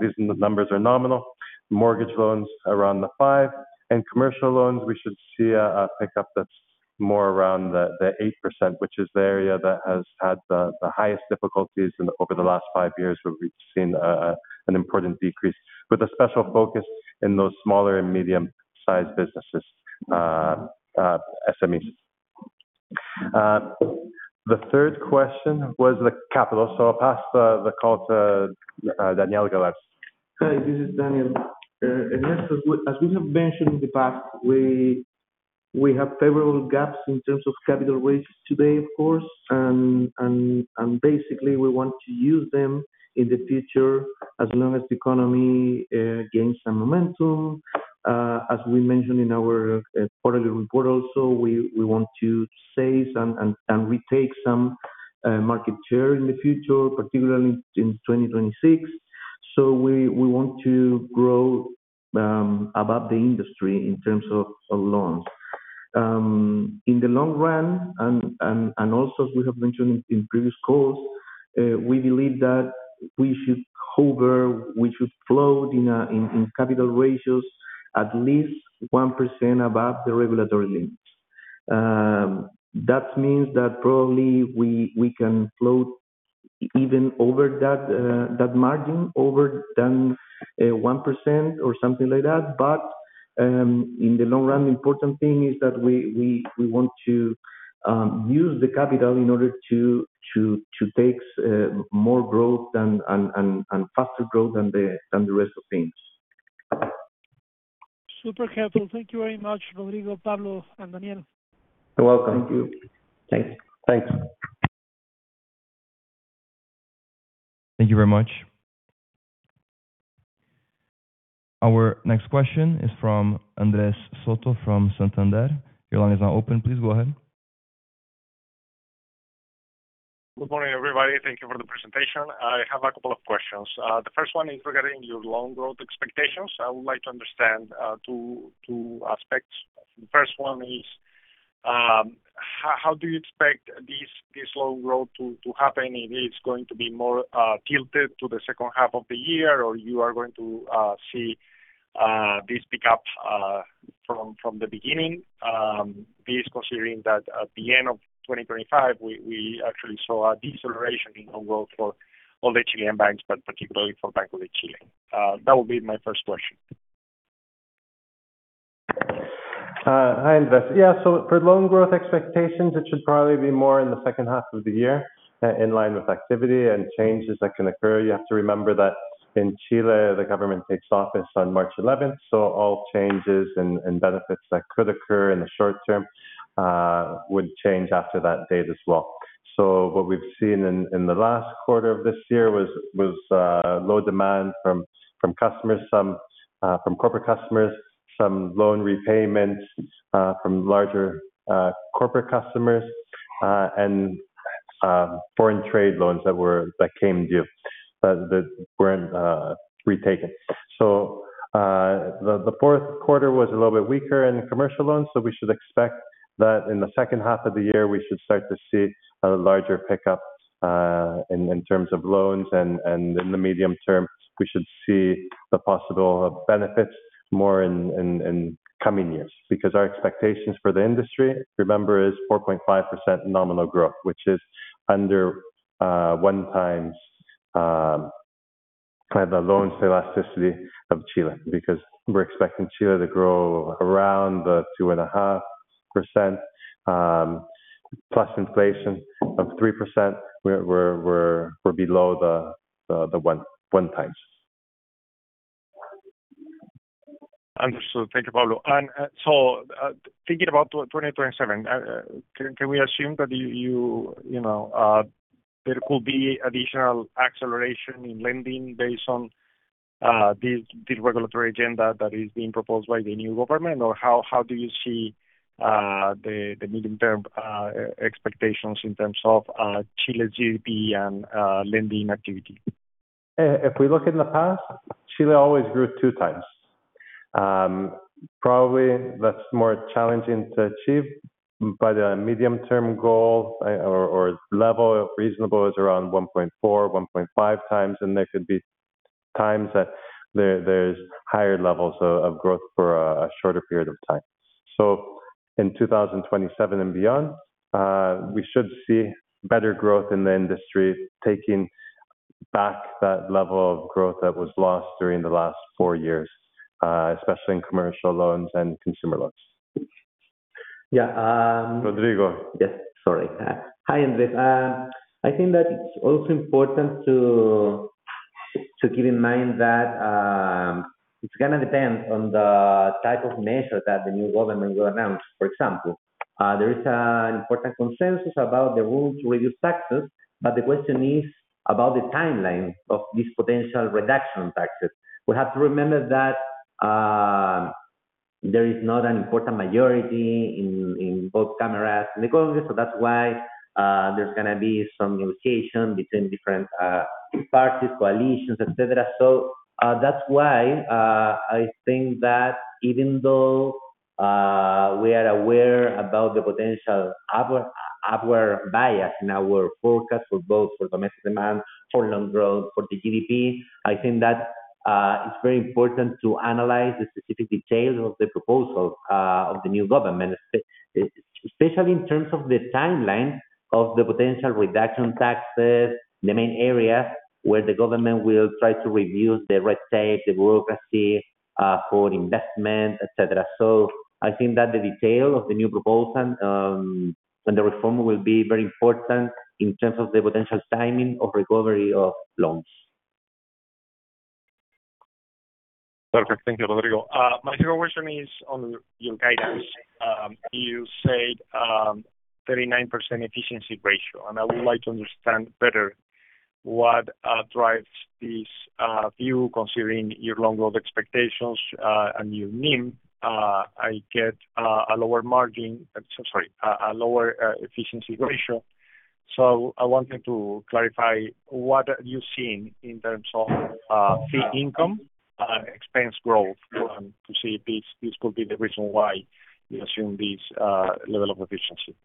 these numbers are nominal. Mortgage loans around the 5, and commercial loans, we should see a pickup that's more around the 8%, which is the area that has had the highest difficulties in the over the last 5 years, where we've seen an important decrease, with a special focus in those smaller and medium-sized businesses, SMEs. The third question was the capital, so I'll pass the call to Daniel Galarce. Hi, this is Daniel. As we have mentioned in the past, we have favorable gaps in terms of capital raises today, of course, and basically, we want to use them in the future as long as the economy gains some momentum. As we mentioned in our quarterly report also, we want to save some and retake some market share in the future, particularly in 2026. So we want to grow above the industry in terms of loans. In the long run, and also as we have mentioned in previous calls, we believe that we should hover, we should float in capital ratios at least 1% above the regulatory limits. That means that probably we can float even over that, that margin, over than, 1% or something like that. But, in the long run, the important thing is that we want to use the capital in order to take more growth and faster growth than the rest of things. Super helpful. Thank you very much, Rodrigo, Pablo, and Daniel. You're welcome. Thank you. Thanks. Thanks. Thank you very much. .Our next question is from Andres Soto, from Santander. Your line is now open. Please go ahead. Good morning, everybody. Thank you for the presentation. I have a couple of questions. The first one is regarding your loan growth expectations. I would like to understand two aspects. The first one is, how do you expect this loan growth to happen? It is going to be more tilted to the second half of the year, or you are going to see this pick up from the beginning? This considering that at the end of 2025, we actually saw a deceleration in loan growth for all the Chilean banks, but particularly for Banco de Chile. That would be my first question. Hi, Andres. Yeah, so for loan growth expectations, it should probably be more in the second half of the year, in line with activity and changes that can occur. You have to remember that in Chile, the government takes office on March eleventh, so all changes and benefits that could occur in the short term would change after that date as well. So what we've seen in the last quarter of this year was low demand from customers, some from corporate customers, some loan repayments from larger corporate customers, and foreign trade loans that came due that weren't retaken. So, the Q4 was a little bit weaker in commercial loans, so we should expect that in the second half of the year, we should start to see a larger pickup in terms of loans and in the medium term, we should see the possible benefits more in coming years. Because our expectations for the industry, remember, is 4.5% nominal growth, which is under one times kind of the loans elasticity of Chile, because we're expecting Chile to grow around the 2.5% plus inflation of 3%, we're below the one times. Understood. Thank you, Pablo. And so, thinking about 2027, can we assume that you know there could be additional acceleration in lending based on this regulatory agenda that is being proposed by the new government? Or how do you see the medium-term expectations in terms of Chile GDP and lending activity? If we look in the past, Chile always grew 2x. Probably that's more challenging to achieve, but the medium-term goal or reasonable level is around 1.4-1.5x, and there could be times that there's higher levels of growth for a shorter period of time. So in 2027 and beyond, we should see better growth in the industry, taking back that level of growth that was lost during the last four years, especially in commercial loans and consumer loans. Yeah, um- Rodrigo. Yes, sorry. Hi, Andrés. I think that it's also important to keep in mind that it's gonna depend on the type of measure that the new government will announce. For example, there is an important consensus about the rule to reduce taxes, but the question is about the timeline of this potential reduction in taxes. We have to remember that there is not an important majority in both chambers in the government, so that's why there's gonna be some negotiation between different parties, coalitions, et cetera. So, that's why, I think that even though, we are aware about the potential upward bias in our forecast for both for domestic demand, for loan growth, for the GDP, I think that, it's very important to analyze the specific details of the proposal, of the new government, especially in terms of the timeline of the potential reduction taxes, the main area where the government will try to review the red tape, the bureaucracy, for investment, et cetera. So I think that the detail of the new proposal, and the reform will be very important in terms of the potential timing of recovery of loans. Perfect. Thank you, Rodrigo. My second question is on your guidance. You said 39% efficiency ratio, and I would like to understand better what drives this view, considering your loan growth expectations and your NIM. I get a lower margin, sorry, a lower efficiency ratio. So I wanted to clarify, what are you seeing in terms of fee income, expense growth, to see if this could be the reason why you assume this level of efficiency?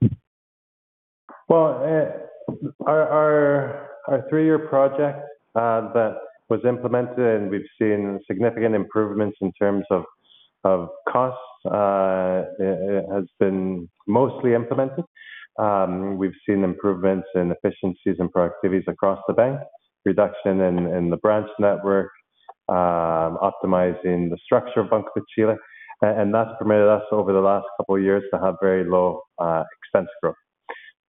Well, our three-year project that was implemented, and we've seen significant improvements in terms of costs. It has been mostly implemented. We've seen improvements in efficiencies and productivities across the bank, reduction in the branch network, optimizing the structure of Banco de Chile, and that's permitted us over the last couple of years to have very low expense growth.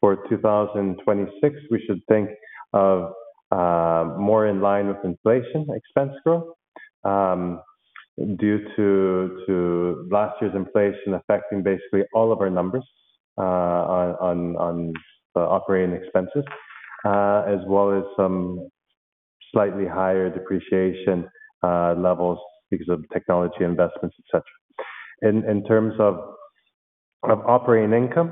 For 2026, we should think of more in line with inflation expense growth, due to last year's inflation affecting basically all of our numbers, on the operating expenses, as well as some slightly higher depreciation levels because of technology investments, et cetera. In terms of operating income,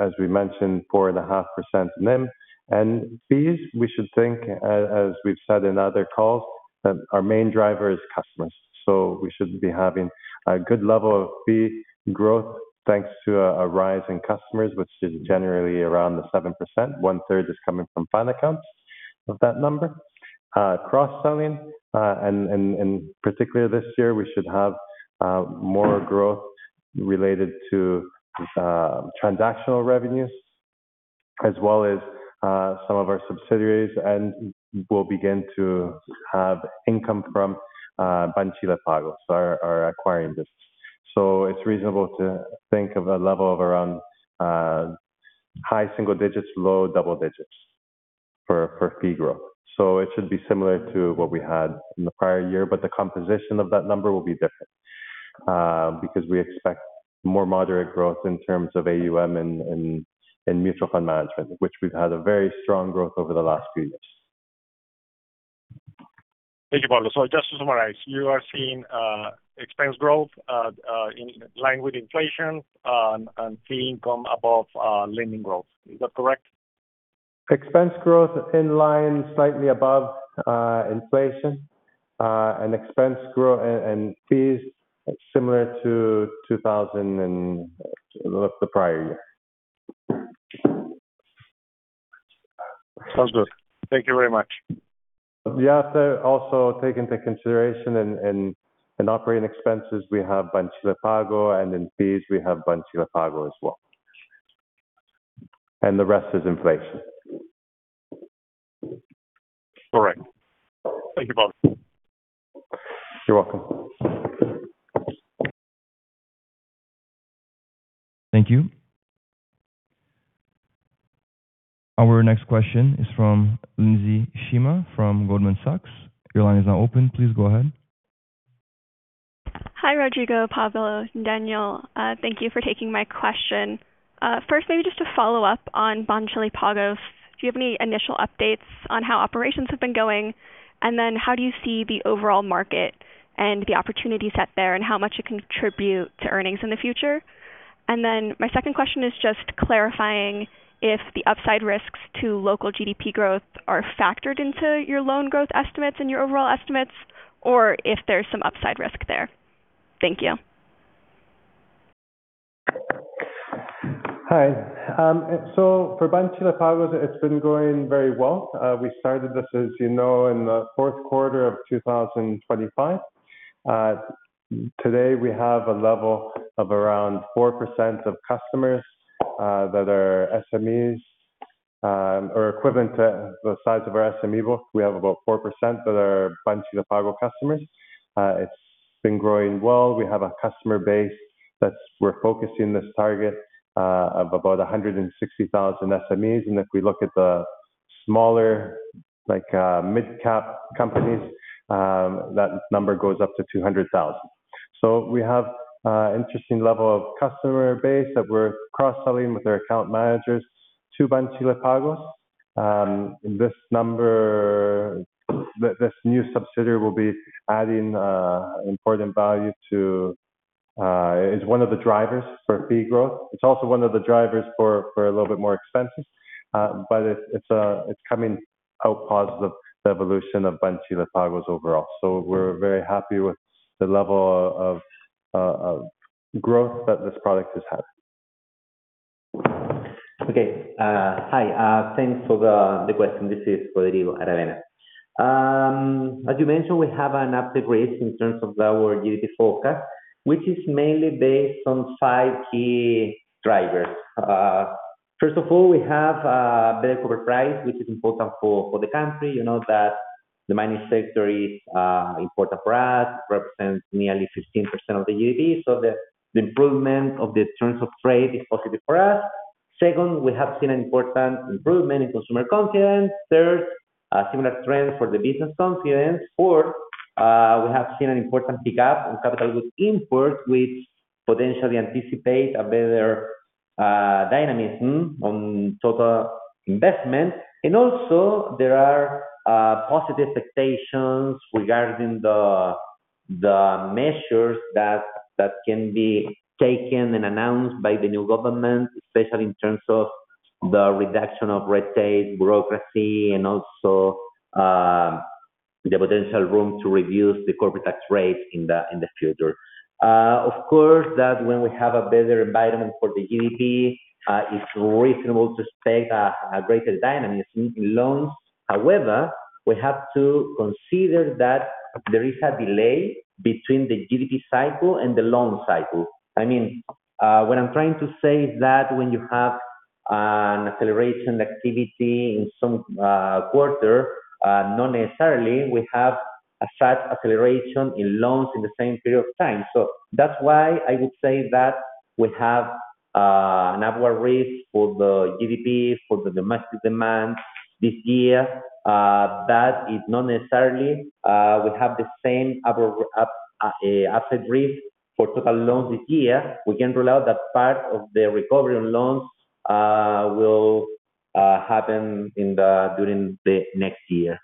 as we mentioned, 4.5% NIM. And fees, we should think, as we've said in other calls, that our main driver is customers. So we should be having a good level of fee growth, thanks to a rise in customers, which is generally around the 7%. One third is coming from fund accounts of that number. Cross-selling, and particularly this year, we should have more growth related to transactional revenues, as well as some of our subsidiaries, and we'll begin to have income from Banchile Pagos, our acquiring business. So it's reasonable to think of a level of around high single digits, low double digits for fee growth. So it should be similar to what we had in the prior year, but the composition of that number will be different, because we expect more moderate growth in terms of AUM and mutual fund management, which we've had a very strong growth over the last few years. Thank you, Pablo. So just to summarize, you are seeing expense growth in line with inflation, and fee income above lending growth. Is that correct? Expense growth in line, slightly above inflation, and expense growth and fees similar to 2000 and the prior year. Sounds good. Thank you very much. You have to also take into consideration, in operating expenses, we have Banchile Pagos, and in fees, we have Banchile Pagos as well. And the rest is inflation. Correct. Thank you, Pablo. You're welcome. Thank you. Our next question is from Lindsey Shema, from Goldman Sachs. Your line is now open. Please go ahead. Hi, Rodrigo, Pablo, Daniel. Thank you for taking my question. First, maybe just to follow up on Banchile Pagos, do you have any initial updates on how operations have been going? And then how do you see the overall market and the opportunity set there, and how much it contribute to earnings in the future? And then my second question is just clarifying if the upside risks to local GDP growth are factored into your loan growth estimates and your overall estimates, or if there's some upside risk there. Thank you. Hi. So for Banchile Pagos, it's been going very well. We started this, as you know, in the Q4 of 2025. Today, we have a level of around 4% of customers that are SMEs, or equivalent to the size of our SME book. We have about 4% that are Banchile Pagos customers. It's been growing well. We have a customer base that's. We're focusing this target of about 160,000 SMEs, and if we look at the smaller, like, mid-cap companies, that number goes up to 200,000. So we have interesting level of customer base that we're cross-selling with our account managers to Banchile Pagos. This number, this new subsidiary will be adding important value to... It's one of the drivers for fee growth. It's also one of the drivers for a little bit more expenses, but it's coming out positive, the evolution of Banchile Pagos overall. So we're very happy with the level of growth that this product has had. Okay. Hi, thanks for the question. This is Rodrigo Aravena. As you mentioned, we have an upgrade in terms of our GDP forecast, which is mainly based on five key drivers. First of all, we have better corporate price, which is important for the country. You know that the mining sector is important for us, represents nearly 15% of the GDP, so the improvement of the terms of trade is positive for us. Second, we have seen an important improvement in consumer confidence. Third, a similar trend for the business confidence. Fourth, we have seen an important pick-up in capital goods imports, which potentially anticipate a better dynamism on total investment. And also there are positive expectations regarding the measures that can be taken and announced by the new government, especially in terms of the reduction of red tape, bureaucracy, and also the potential room to reduce the corporate tax rate in the future. Of course, that when we have a better environment for the GDP, it's reasonable to expect a greater dynamism in loans. However, we have to consider that there is a delay between the GDP cycle and the loan cycle. I mean, what I'm trying to say is that when you have an acceleration activity in some quarter, not necessarily we have a sharp acceleration in loans in the same period of time. So that's why I would say that we have an upward risk for the GDP, for the domestic demand this year, that is not necessarily, we have the same upward risk for total loans this year. We can rule out that part of the recovery loans will happen during the next year.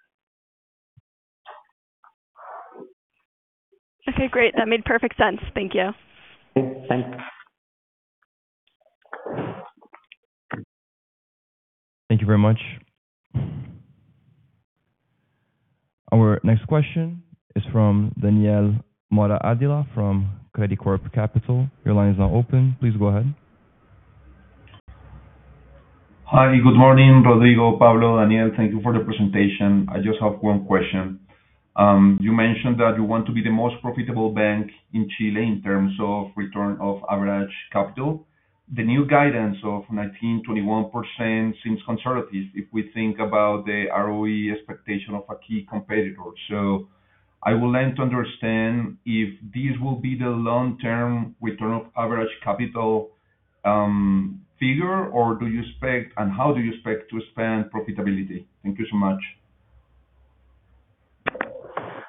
Okay, great. That made perfect sense. Thank you. Okay, thanks. Thank you very much. Our next question is from Daniel Mora from Credicorp Capital. Your line is now open. Please go ahead. Hi, good morning, Rodrigo, Pablo, Daniel. Thank you for the presentation. I just have one question. You mentioned that you want to be the most profitable bank in Chile in terms of return on average capital. The new guidance of 19-21% seems conservative if we think about the ROE expectation of a key competitor. So I would like to understand if this will be the long-term return on average capital, figure, or do you expect, and how do you expect to expand profitability? Thank you so much.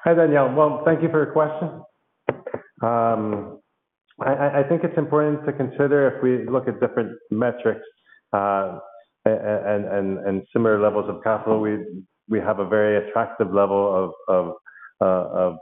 Hi, Daniel. Well, thank you for your question. I think it's important to consider if we look at different metrics, and similar levels of capital, we have a very attractive level of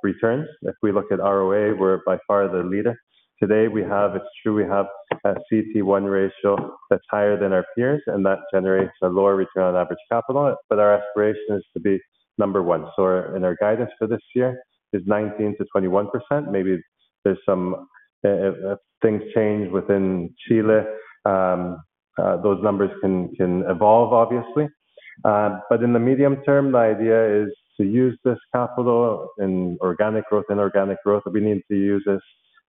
returns. If we look at ROA, we're by far the leader. Today, we have... It's true, we have a CET1 ratio that's higher than our peers, and that generates a lower return on average capital, but our aspiration is to be number one. So in our guidance for this year, is 19%-21%. Maybe there's some, if things change within Chile, those numbers can evolve, obviously. But in the medium term, the idea is to use this capital in organic growth, inorganic growth, we need to use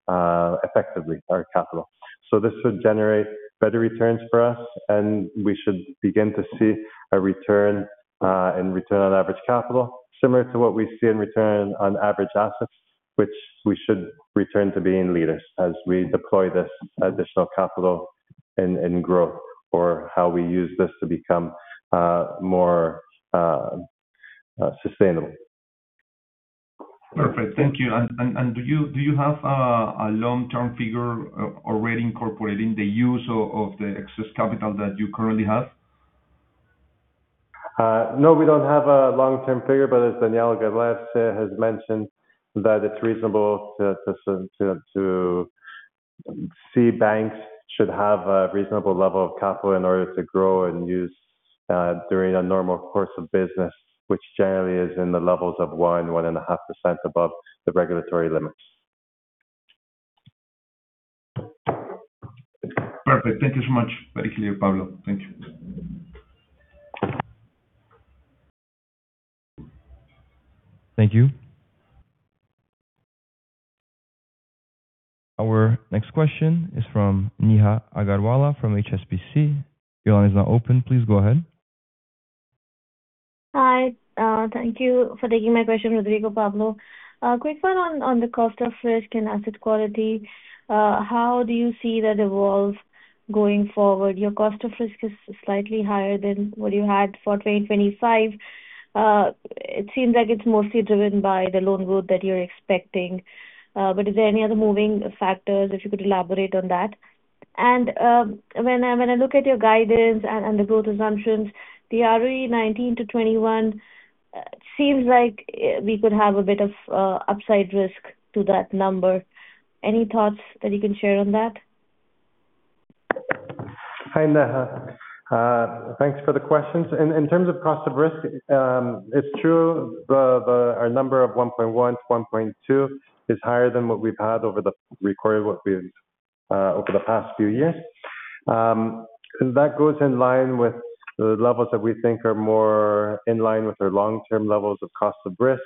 this effectively, our capital. So this would generate better returns for us, and we should begin to see a return in return on average capital, similar to what we see in return on average assets, which we should return to being leaders as we deploy this additional capital in growth or how we use this to become more sustainable. Perfect. Thank you. And do you have a long-term figure already incorporating the use of the excess capital that you currently have? No, we don't have a long-term figure, but as Daniel Galarce has mentioned, that it's reasonable to see banks should have a reasonable level of capital in order to grow and use during a normal course of business, which generally is in the levels of 1.5% above the regulatory limits. Perfect. Thank you so much. Very clear, Pablo. Thank you. Thank you. Our next question is from Neha Agarwala from HSBC. Your line is now open. Please go ahead. Hi, thank you for taking my question, Rodrigo, Pablo. Quick one on the cost of risk and asset quality. How do you see that evolve going forward? Your cost of risk is slightly higher than what you had for 2025. It seems like it's mostly driven by the loan growth that you're expecting. But is there any other moving factors, if you could elaborate on that? And when I look at your guidance and the growth assumptions, the ROE 19-21 seems like we could have a bit of upside risk to that number. Any thoughts that you can share on that? Hi, Neha. Thanks for the questions. In terms of cost of risk, it's true the our number of 1.1-1.2 is higher than what we've had over the required, over the past few years. That goes in line with the levels that we think are more in line with our long-term levels of cost of risk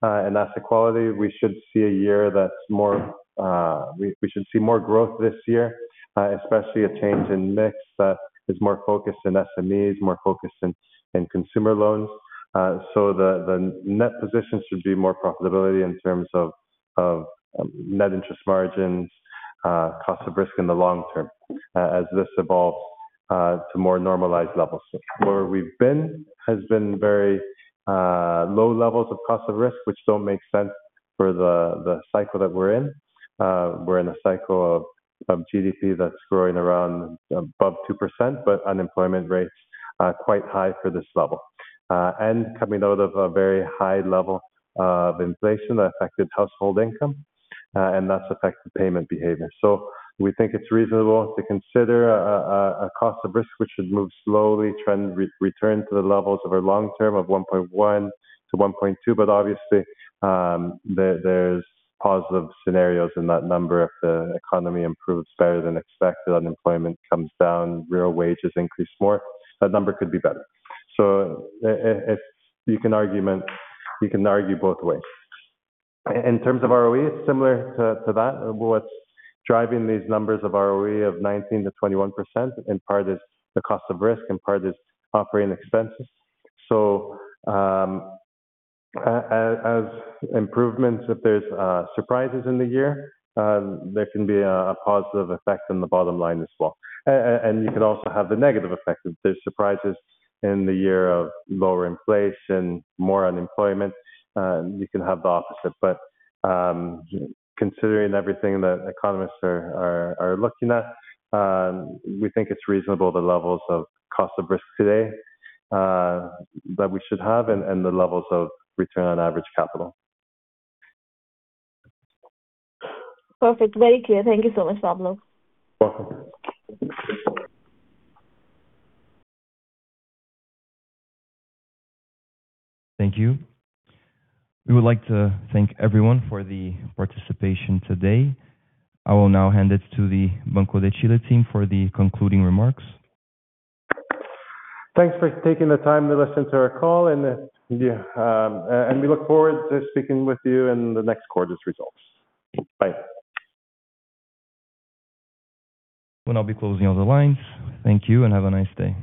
and asset quality. We should see a year that's more, we should see more growth this year, especially a change in mix that is more focused in SMEs, more focused in consumer loans. So the net position should be more profitability in terms of net interest margins, cost of risk in the long term, as this evolves to more normalized levels. Where we've been has been very low levels of cost of risk, which don't make sense for the cycle that we're in. We're in a cycle of GDP that's growing around above 2%, but unemployment rates are quite high for this level, and coming out of a very high level of inflation that affected household income, and that's affected payment behavior. So we think it's reasonable to consider a cost of risk, which should move slowly, trend return to the levels of our long term of 1.1-1.2. But obviously, there's positive scenarios in that number. If the economy improves better than expected, unemployment comes down, real wages increase more, that number could be better. So if you can argue, you can argue both ways. In terms of ROE, it's similar to that. What's driving these numbers of ROE of 19%-21%, and part is the cost of risk and part is operating expenses. So, as improvements, if there's surprises in the year, there can be a positive effect on the bottom line as well. And you could also have the negative effect if there's surprises in the year of lower inflation, more unemployment, you can have the opposite. But, considering everything that economists are looking at, we think it's reasonable the levels of cost of risk today that we should have and the levels of return on average capital. Perfect. Very clear. Thank you so much, Pablo. Welcome. Thank you. We would like to thank everyone for the participation today. I will now hand it to the Banco de Chile team for the concluding remarks. Thanks for taking the time to listen to our call, and, yeah, and we look forward to speaking with you in the next quarter's results. Bye. We'll now be closing all the lines. Thank you, and have a nice day.